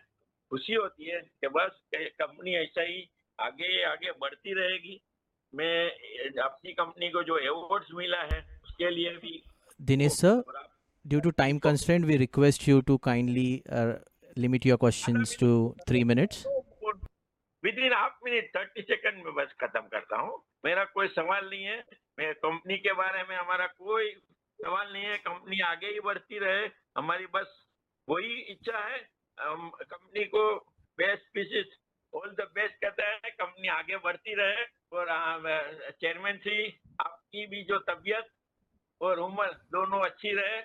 खुशी होती है कि बस कंपनी ऐसा ही आगे ही आगे बढ़ती रहेगी। मैं आपकी कंपनी को जो अवार्ड्स मिला है, उसके लिए भी- Dinesh sir, due to time constraint, we request you to kindly limit your question to three minutes. Within half minute, 30 seconds में बस खत्म करता हूं। मेरा कोई सवाल नहीं है। मैं कंपनी के बारे में हमारा कोई सवाल नहीं है। कंपनी आगे ही बढ़ती रहे, हमारी बस वही इच्छा है। कंपनी को best wishes, all the best कहते हैं, कंपनी आगे बढ़ती रहे और चेयरमैन जी, आपकी भी जो तबीयत और उम्र दोनों अच्छी रहे,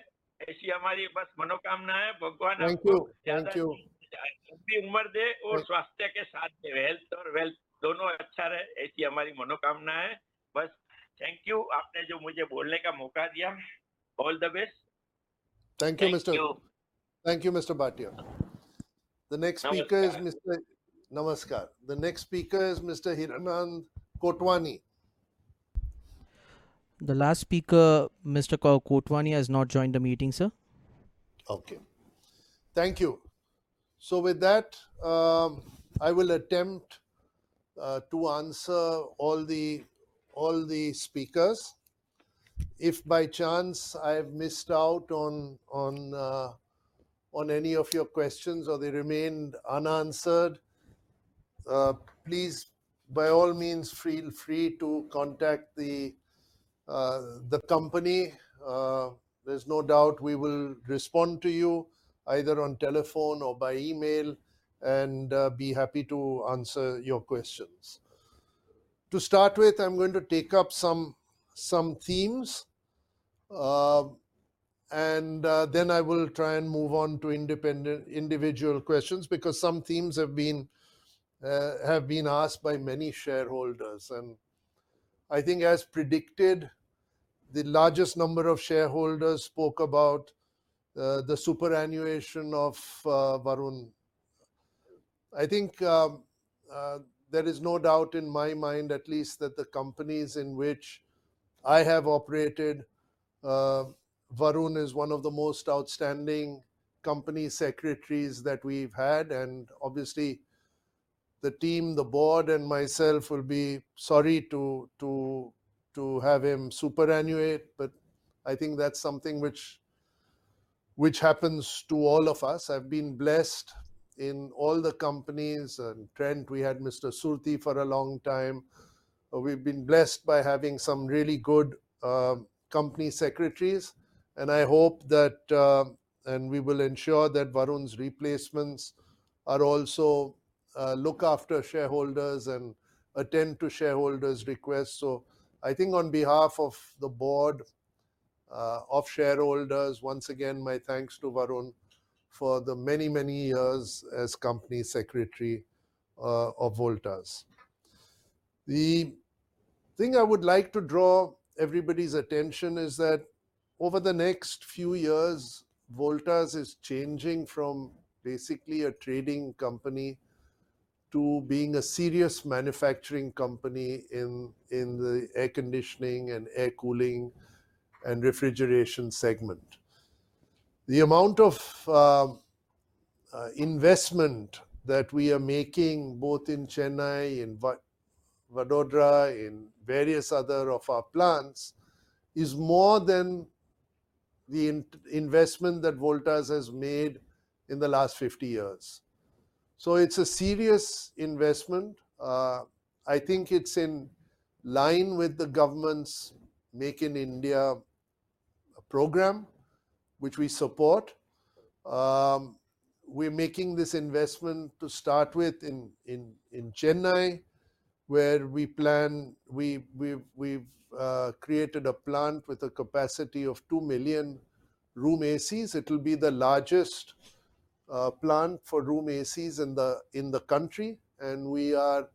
ऐसी हमारी बस मनोकामना है। भगवान- Thank you, thank you. उम्र दे और स्वास्थ्य के साथ ही, हेल्थ और वेल्थ दोनों अच्छा रहे, ऐसी हमारी मनोकामना है। बस थैंक यू, आपने जो मुझे बोलने का मौका दिया। All the best! Thank you, Mr.- thank you. Thank you, Mr. Bhatia. Namaskar, the next speaker is Mr. Hiranand Kotwani. The last speaker, Mr. Kotwani, has not joined the meeting, sir. Okay, thank you! So with that, I will attempt to answer all the speakers. If by chance I have missed out on any of your questions and they remain unanswered, please by all means feel free to contact the company. There is no doubt we will respond to you, either on telephone or by email and be happy to answer your question. To start with, I am going to take up some themes and then I will try and move on to independent, individual questions, because some themes have been asked by many shareholders and I think as predicted, the largest number of shareholders spoke about the superannuation of Varun. I think there is no doubt in my mind at least that the companies in which I have operated. Varun is one of the most outstanding company secretaries that we have had and obviously the team, the board and myself will be sorry to, to, to have him superannuate, but I think that's something which, which happens to all of us. I have been blessed in all the companies and Trent, we had Mr. Surti for a long time. We have been blessed by having some really good company secretaries and I hope that and we will ensure that Varun's replacements are also, look after shareholders and attend to shareholders request. So I think on behalf of the board of shareholders. Once again, my thanks to Varun for the many, many years as company secretary of Voltas. The thing I would like to draw everybody's attention is that over the next few years, Voltas is changing from basically a trading company to being a serious manufacturing company in the air conditioning and air cooling and refrigeration segment. The amount of investment that we are making both in Chennai, in Vadodara, in various other of our plants, is more than the investment that Voltas has made in the last 50 years. So it's a serious investment. I think it's in line with the government's Make in India program, which we support. We're making this investment to start with in Chennai, where we've created a plant with a capacity of 2 million room ACs. It will be the largest plant for room ACs in the country, and we are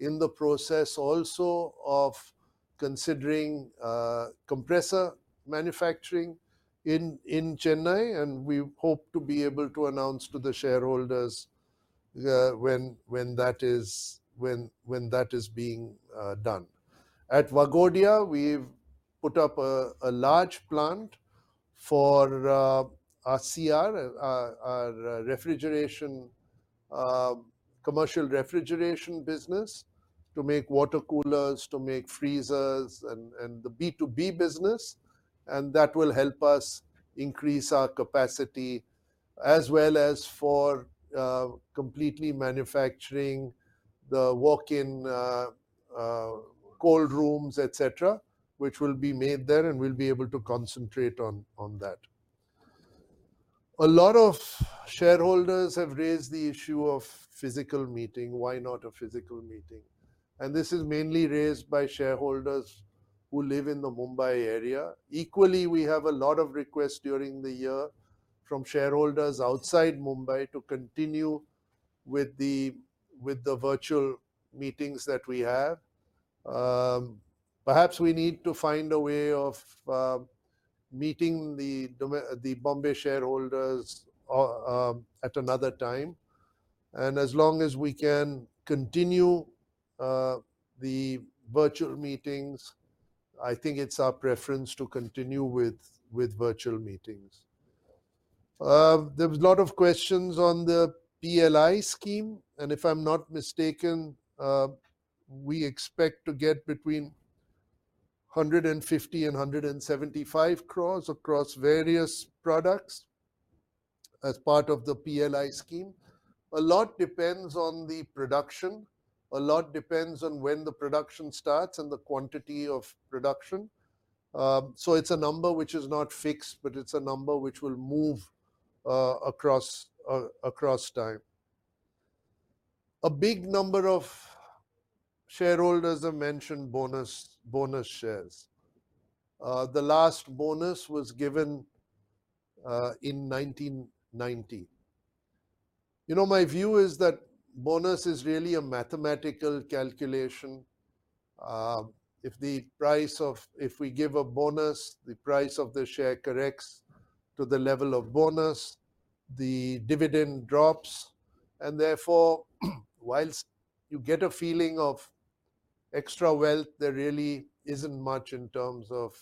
in the process also of considering compressor manufacturing in Chennai, and we hope to be able to announce to the shareholders when that is being done. At Waghodia, we've put up a large plant for our CR, our refrigeration, commercial refrigeration business, to make water coolers, to make freezers, and the B2B business, and that will help us increase our capacity as well as for completely manufacturing the walk-in cold rooms, et cetera, which will be made there, and we'll be able to concentrate on that. A lot of shareholders have raised the issue of physical meeting. Why not a physical meeting? This is mainly raised by shareholders who live in the Mumbai area. Equally, we have a lot of requests during the year from shareholders outside Mumbai to continue with the virtual meetings that we have. Perhaps we need to find a way of meeting the Bombay shareholders at another time. And as long as we can continue the virtual meetings, I think it's our preference to continue with virtual meetings. There was a lot of questions on the PLI scheme, and if I'm not mistaken, we expect to get between 150 and 175 crores across various products as part of the PLI scheme. A lot depends on the production, a lot depends on when the production starts and the quantity of production. So it's a number which is not fixed, but it's a number which will move across, across time. A big number of shareholders have mentioned bonus, bonus shares. The last bonus was given in 1990. You know, my view is that bonus is really a mathematical calculation. If the price of... If we give a bonus, the price of the share corrects to the level of bonus, the dividend drops, and therefore, whilst you get a feeling of extra wealth, there really isn't much in terms of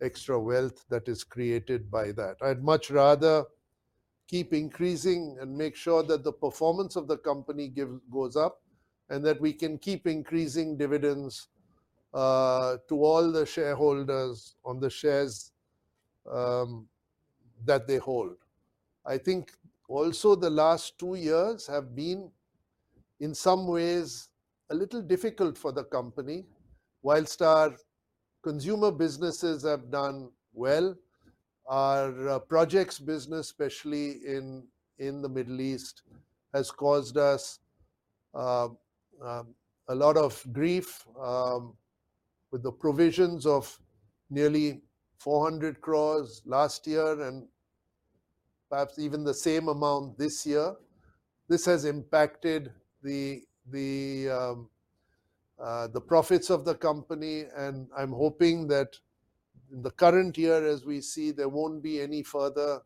extra wealth that is created by that. I'd much rather keep increasing and make sure that the performance of the company goes up, and that we can keep increasing dividends to all the shareholders on the shares that they hold. I think also the last two years have been, in some ways, a little difficult for the company. While our consumer businesses have done well, our projects business, especially in the Middle East, has caused us a lot of grief, with the provisions of nearly 400 crore last year and perhaps even the same amount this year. This has impacted the profits of the company, and I'm hoping that in the current year, as we see, there won't be any further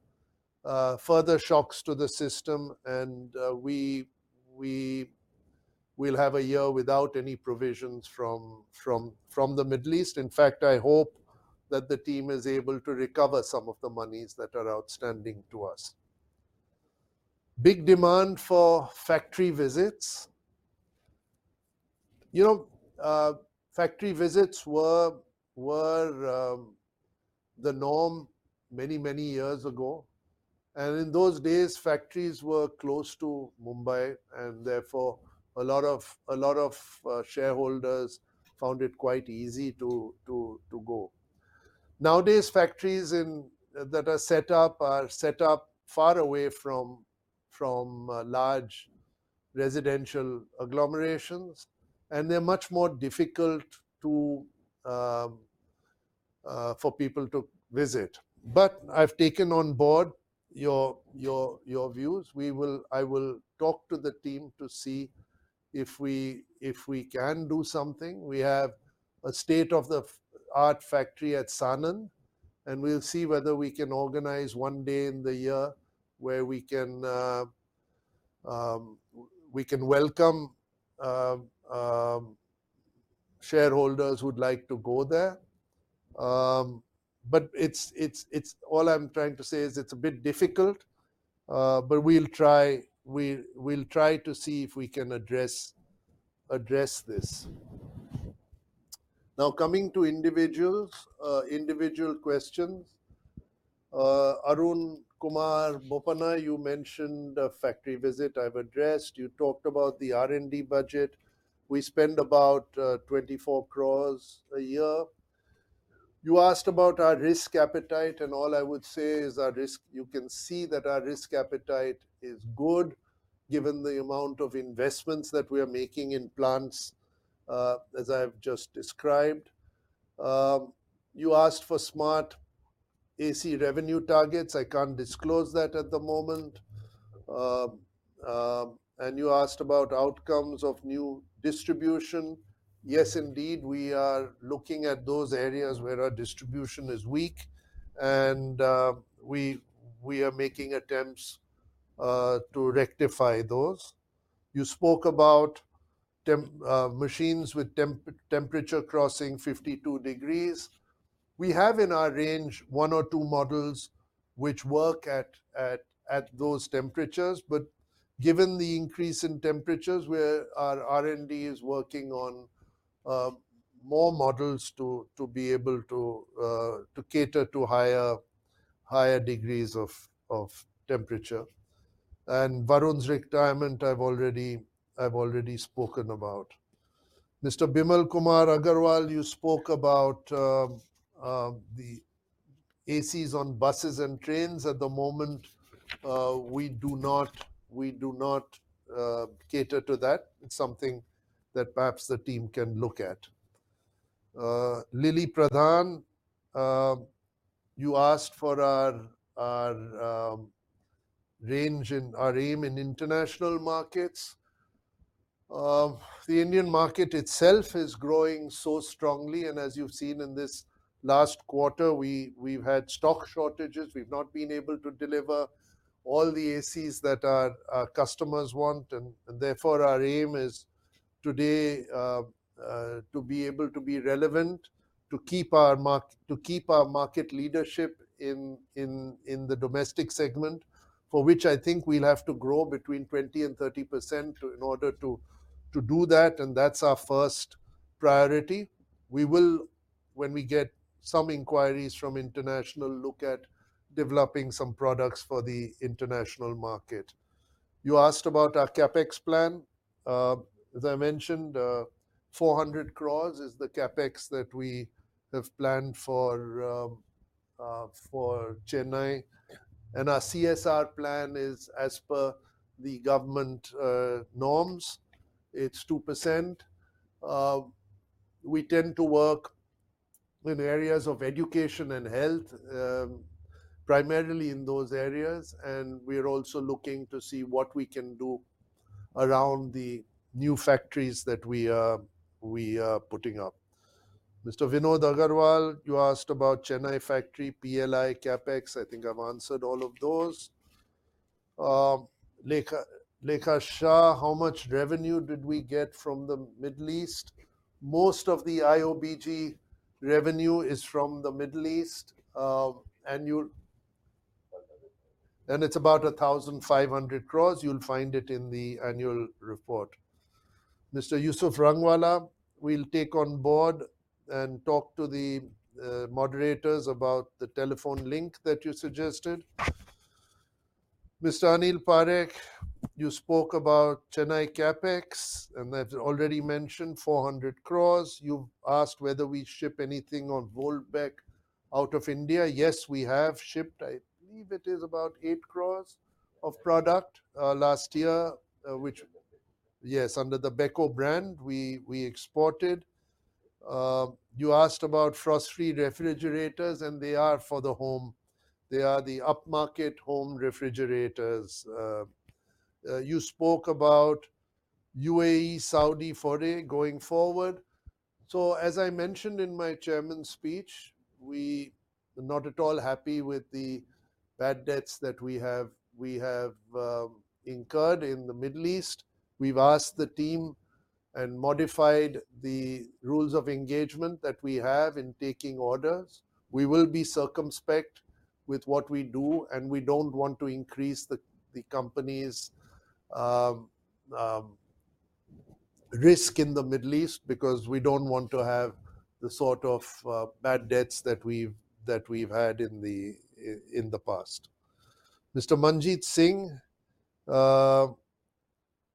further shocks to the system, and we will have a year without any provisions from the Middle East. In fact, I hope that the team is able to recover some of the monies that are outstanding to us. Big demand for factory visits. You know, factory visits were the norm many years ago, and in those days, factories were close to Mumbai, and therefore, a lot of shareholders found it quite easy to go. Nowadays, factories that are set up are set up far away from large residential agglomerations, and they're much more difficult for people to visit. But I've taken on board your views. I will talk to the team to see if we can do something. We have a state-of-the-art factory at Sanand, and we'll see whether we can organize one day in the year where we can welcome shareholders who'd like to go there. But it's a bit difficult, but we'll try to see if we can address this. Now, coming to individuals, individual questions. Arun Kumar Bopanna, you mentioned a factory visit, I've addressed. You talked about the R&D budget. We spend about 24 crore a year. You asked about our risk appetite, and all I would say is you can see that our risk appetite is good, given the amount of investments that we are making in plants, as I have just described. You asked for smart AC revenue targets. I can't disclose that at the moment. And you asked about outcomes of new distribution. Yes, indeed, we are looking at those areas where our distribution is weak, and we are making attempts to rectify those. You spoke about them, machines with temperature crossing 52 degrees. We have in our range one or two models which work at those temperatures. But given the increase in temperatures, where our R&D is working on more models to be able to cater to higher degrees of temperature. And Varun's retirement, I've already spoken about. Mr. Bimal Kumar Agarwal, you spoke about the ACs on buses and trains. At the moment, we do not cater to that. It's something that perhaps the team can look at. Lily Pradhan, you asked for our range in our aim in international markets. The Indian market itself is growing so strongly, and as you've seen in this last quarter, we've had stock shortages. We've not been able to deliver all the ACs that our customers want, and therefore, our aim is today to be able to be relevant, to keep our market leadership in the domestic segment, for which I think we'll have to grow between 20%-30% in order to do that, and that's our first priority. We will, when we get some inquiries from international, look at developing some products for the international market. You asked about our CapEx plan. As I mentioned, 400 crore is the CapEx that we have planned for Chennai. Our CSR plan is as per the government norms, it's 2%. We tend to work in areas of education and health, primarily in those areas, and we're also looking to see what we can do around the new factories that we are putting up. Mr. Vinod Agarwal, you asked about Chennai factory, PLI, CapEx. I think I've answered all of those. Lekha Shah, how much revenue did we get from the Middle East? Most of the IOBG revenue is from the Middle East, annual. And it's about 1,500 crore. You'll find it in the annual report. Mr. Yusuf Rangwala, we'll take on board and talk to the moderators about the telephone link that you suggested. Mr. Anil Parekh, you spoke about Chennai CapEx, and I've already mentioned 400 crore. You've asked whether we ship anything on Voltas Beko out of India. Yes, we have shipped. I believe it is about 8 crore of product, last year, which... Yes, under the Beko brand, we, we exported. You asked about frost-free refrigerators, and they are for the home. They are the upmarket home refrigerators. You spoke about UAE, Saudi foray going forward. So, as I mentioned in my chairman's speech, we are not at all happy with the bad debts that we have, we have, incurred in the Middle East. We've asked the team and modified the rules of engagement that we have in taking orders. We will be circumspect with what we do, and we don't want to increase the, the company's, risk in the Middle East because we don't want to have the sort of, bad debts that we've, that we've had in the, in, in the past. Mr. Manjit Singh,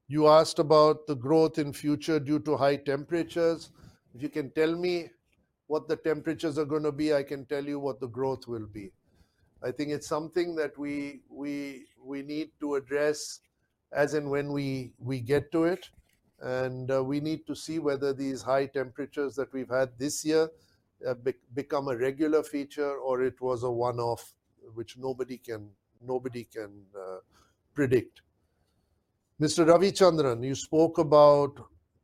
you asked about the growth in future due to high temperatures. If you can tell me what the temperatures are gonna be, I can tell you what the growth will be. I think it's something that we need to address as and when we get to it, and we need to see whether these high temperatures that we've had this year become a regular feature or it was a one-off, which nobody can predict. Mr. Ravichandran, you spoke about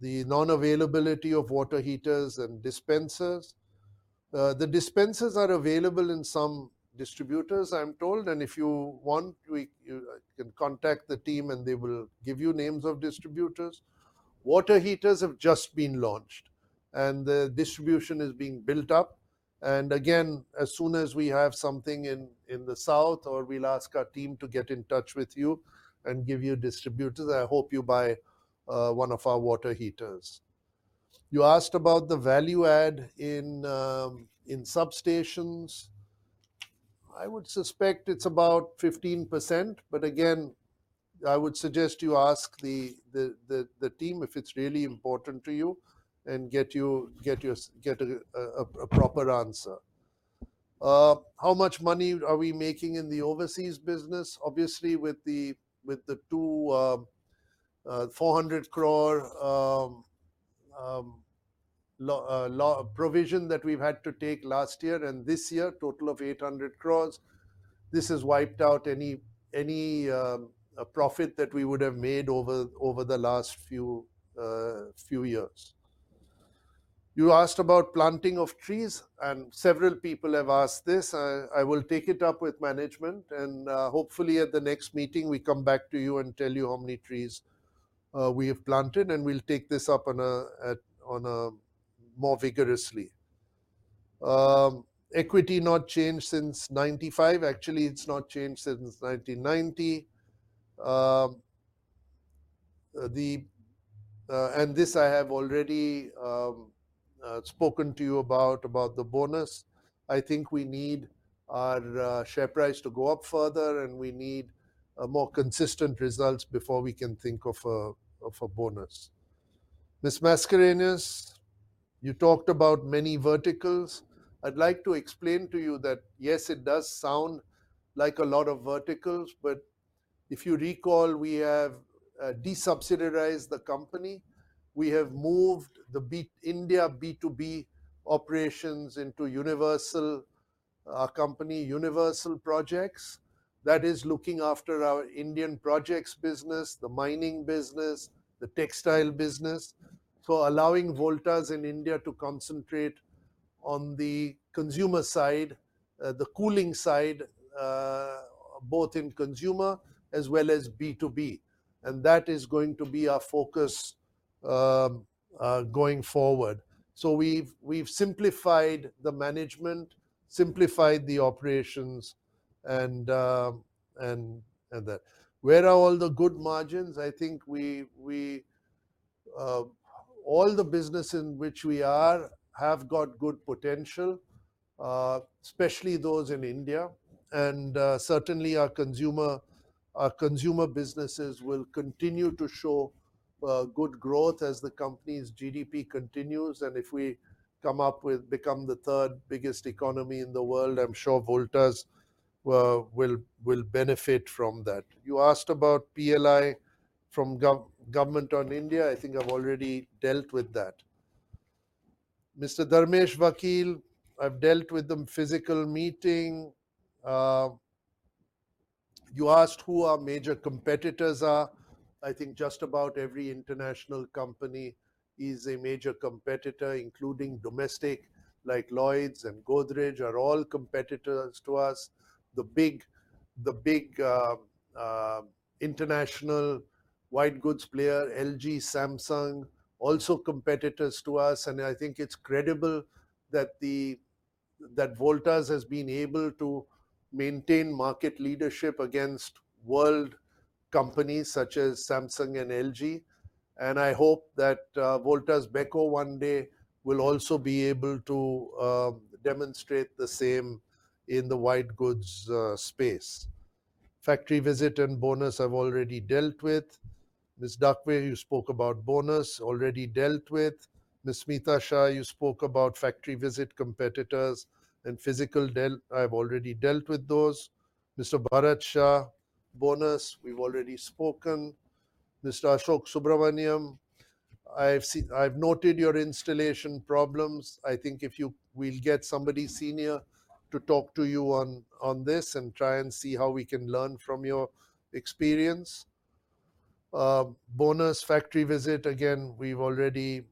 the non-availability of water heaters and dispensers. The dispensers are available in some distributors, I'm told, and if you want, you can contact the team and they will give you names of distributors. Water heaters have just been launched, and the distribution is being built up. Again, as soon as we have something in the south or we'll ask our team to get in touch with you and give you distributors. I hope you buy one of our water heaters. You asked about the value add in substations. I would suspect it's about 15%, but again, I would suggest you ask the team if it's really important to you and get a proper answer. How much money are we making in the overseas business? Obviously, with the two 400 crore provision that we've had to take last year and this year, total of 800 crores, this has wiped out any profit that we would have made over the last few years. You asked about planting of trees, and several people have asked this. I will take it up with management and, hopefully at the next meeting, we come back to you and tell you how many trees we have planted, and we'll take this up on a more vigorously. Equity not changed since 1995. Actually, it's not changed since 1990. This I have already spoken to you about, about the bonus. I think we need our share price to go up further, and we need a more consistent results before we can think of a bonus. Ms. Mascarenhas, you talked about many verticals. I'd like to explain to you that, yes, it does sound like a lot of verticals, but if you recall, we have desubsidized the company. We have moved the B2B India B2B operations into Universal company, Universal Projects. That is looking after our Indian projects business, the mining business, the textile business. So allowing Voltas in India to concentrate on the consumer side, the cooling side, both in consumer as well as B2B, and that is going to be our focus, going forward. So we've, we've simplified the management, simplified the operations, and, and, and that. Where are all the good margins? I think we, we, all the business in which we are, have got good potential, especially those in India, and, certainly our consumer, our consumer businesses will continue to show, good growth as the company's GDP continues. And if we come up with become the third biggest economy in the world, I'm sure Voltas, will, will benefit from that. You asked about PLI from government of India. I think I've already dealt with that. Mr. Dharmesh Vakil, I've dealt with the physical meeting. You asked who our major competitors are. I think just about every international company is a major competitor, including domestic, like Lloyd and Godrej, are all competitors to us. The big international white goods player, LG, Samsung, also competitors to us, and I think it's credible that Voltas has been able to maintain market leadership against world companies such as Samsung and LG, and I hope that Voltas Beko one day will also be able to demonstrate the same in the white goods space. Factory visit and bonus, I've already dealt with. Ms. Dakwe, you spoke about bonus, already dealt with. Ms. Smita Shah, you spoke about factory visit, competitors and physical dealt. I've already dealt with those. Mr. Bharat Shah, bonus, we've already spoken. Mr. Ashok Subramaniam, I've noted your installation problems. I think we'll get somebody senior to talk to you on, on this and try and see how we can learn from your experience. Bonus, factory visit, again, we've already,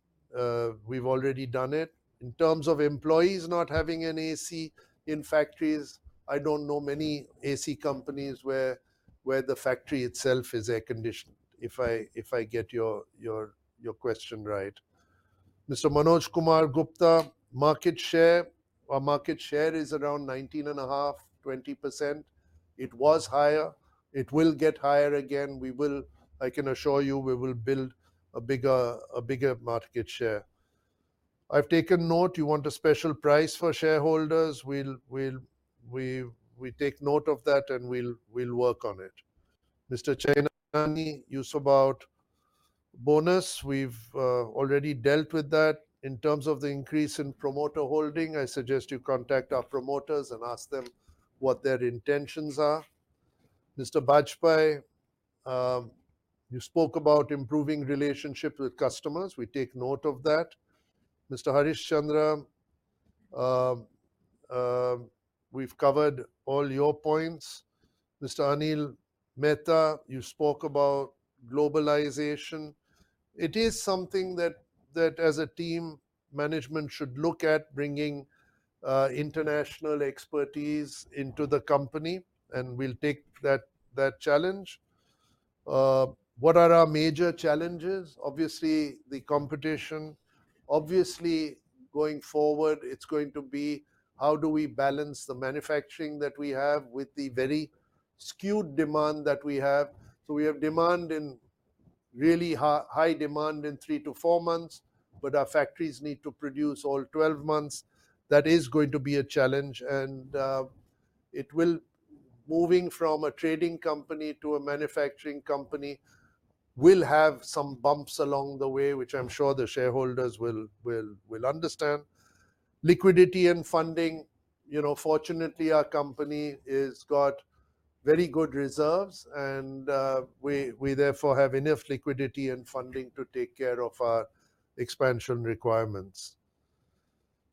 we've already done it. In terms of employees not having an AC in factories, I don't know many AC companies where, where the factory itself is air-conditioned, if I, if I get your, your, your question right. Mr. Manoj Kumar Gupta, market share. Our market share is around 19.5%-20%. It was higher. It will get higher again. I can assure you, we will build a bigger, a bigger market share. I've taken note, you want a special price for shareholders. We'll take note of that, and we'll work on it. Mr. Chainani, you spoke about bonus. We've already dealt with that. In terms of the increase in promoter holding, I suggest you contact our promoters and ask them what their intentions are. Mr. Bajpai, you spoke about improving relationships with customers. We take note of that. Mr. Harish Chandra, we've covered all your points. Mr. Anil Mehta, you spoke about globalization. It is something that as a team, management should look at bringing international expertise into the company, and we'll take that challenge. What are our major challenges? Obviously, the competition. Obviously, going forward, it's going to be: how do we balance the manufacturing that we have with the very skewed demand that we have? So we have demand in really high demand in 3-4 months, but our factories need to produce all 12 months. That is going to be a challenge, and it will... Moving from a trading company to a manufacturing company will have some bumps along the way, which I'm sure the shareholders will understand. Liquidity and funding, you know, fortunately, our company has got very good reserves, and we therefore have enough liquidity and funding to take care of our expansion requirements.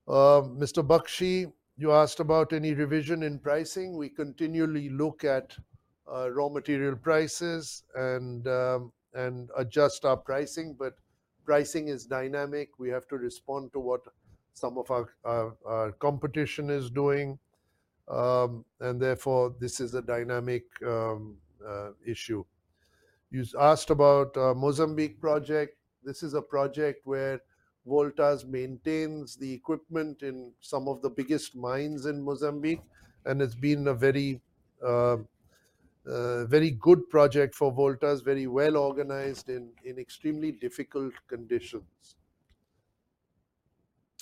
Mr. Bakshi, you asked about any revision in pricing. We continually look at raw material prices and adjust our pricing, but pricing is dynamic. We have to respond to what some of our competition is doing, and therefore, this is a dynamic issue. You asked about our Mozambique project. This is a project where Voltas maintains the equipment in some of the biggest mines in Mozambique, and it's been a very good project for Voltas, very well-organized in extremely difficult conditions.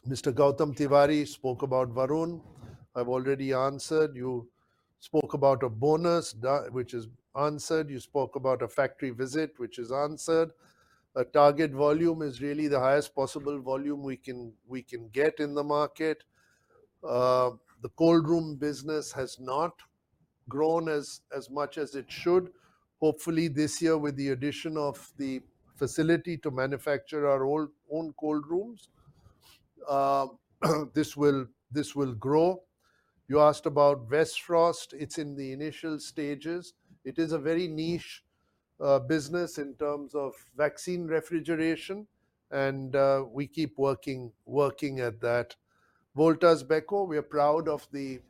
Mr. Gautam Tiwari spoke about Varun. I've already answered. You spoke about a bonus, which is answered. You spoke about a factory visit, which is answered. A target volume is really the highest possible volume we can get in the market. The cold room business has not grown as much as it should. Hopefully, this year, with the addition of the facility to manufacture our own cold rooms, this will grow. You asked about Vestfrost. It's in the initial stages. It is a very niche business in terms of vaccine refrigeration, and we keep working at that. Voltas Beko, we are proud of the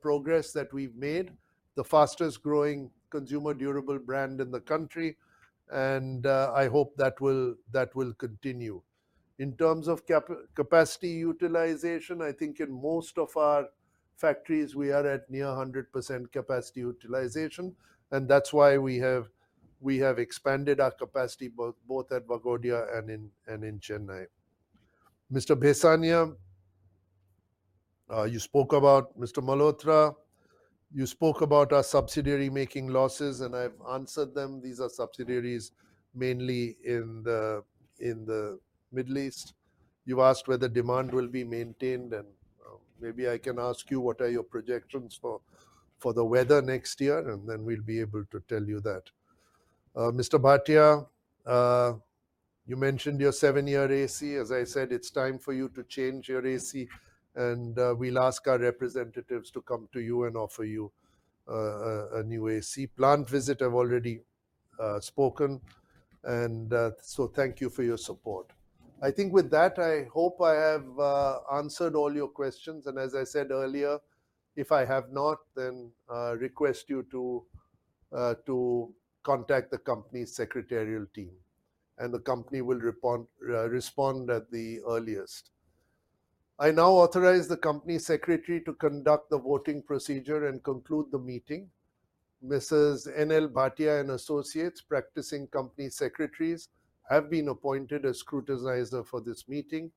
progress that we've made, the fastest-growing consumer durable brand in the country, and I hope that will continue. In terms of capacity utilization, I think in most of our factories, we are at near 100% capacity utilization, and that's why we have expanded our capacity both at Waghodia and in Chennai. Mr. Bhesania, you spoke about Mr. Malhotra. You spoke about our subsidiary making losses, and I've answered them. These are subsidiaries mainly in the Middle East. You've asked whether demand will be maintained, and maybe I can ask you, what are your projections for the weather next year, and then we'll be able to tell you that. Mr. Bhatia, you mentioned your seven-year AC. As I said, it's time for you to change your AC, and we'll ask our representatives to come to you and offer you a new AC. Plant visit, I've already spoken and so thank you for your support. I think with that, I hope I have answered all your questions, and as I said earlier, if I have not, then I request you to contact the company's secretarial team, and the company will respond at the earliest. I now authorize the company secretary to conduct the voting procedure and conclude the meeting. M/s N.L. Bhatia & Associates, practicing company secretaries, have been appointed as scrutinizer for this meeting.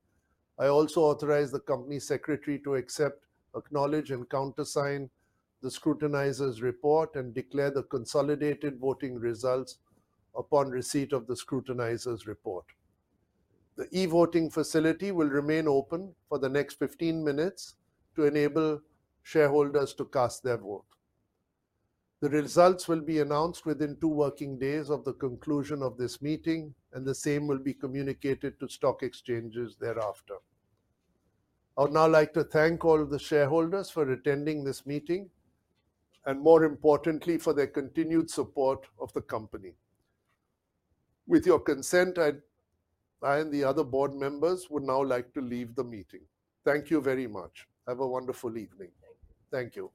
I also authorize the company secretary to accept, acknowledge, and countersign the scrutinizer's report and declare the consolidated voting results upon receipt of the scrutinizer's report. The e-voting facility will remain open for the next 15 minutes to enable shareholders to cast their vote. The results will be announced within two working days of the conclusion of this meeting, and the same will be communicated to stock exchanges thereafter. I would now like to thank all of the shareholders for attending this meeting, and more importantly, for their continued support of the company. With your consent, I and the other board members would now like to leave the meeting. Thank you very much. Have a wonderful evening. Thank you.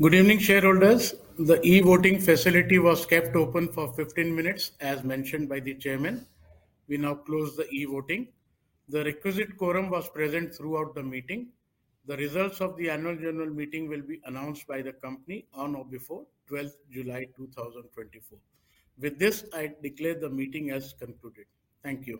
Thank you. Good evening, shareholders. The e-voting facility was kept open for 15 minutes, as mentioned by the chairman. We now close the e-voting. The requisite quorum was present throughout the meeting. The results of the annual general meeting will be announced by the company on or before 12th July 2024. With this, I declare the meeting as concluded. Thank you.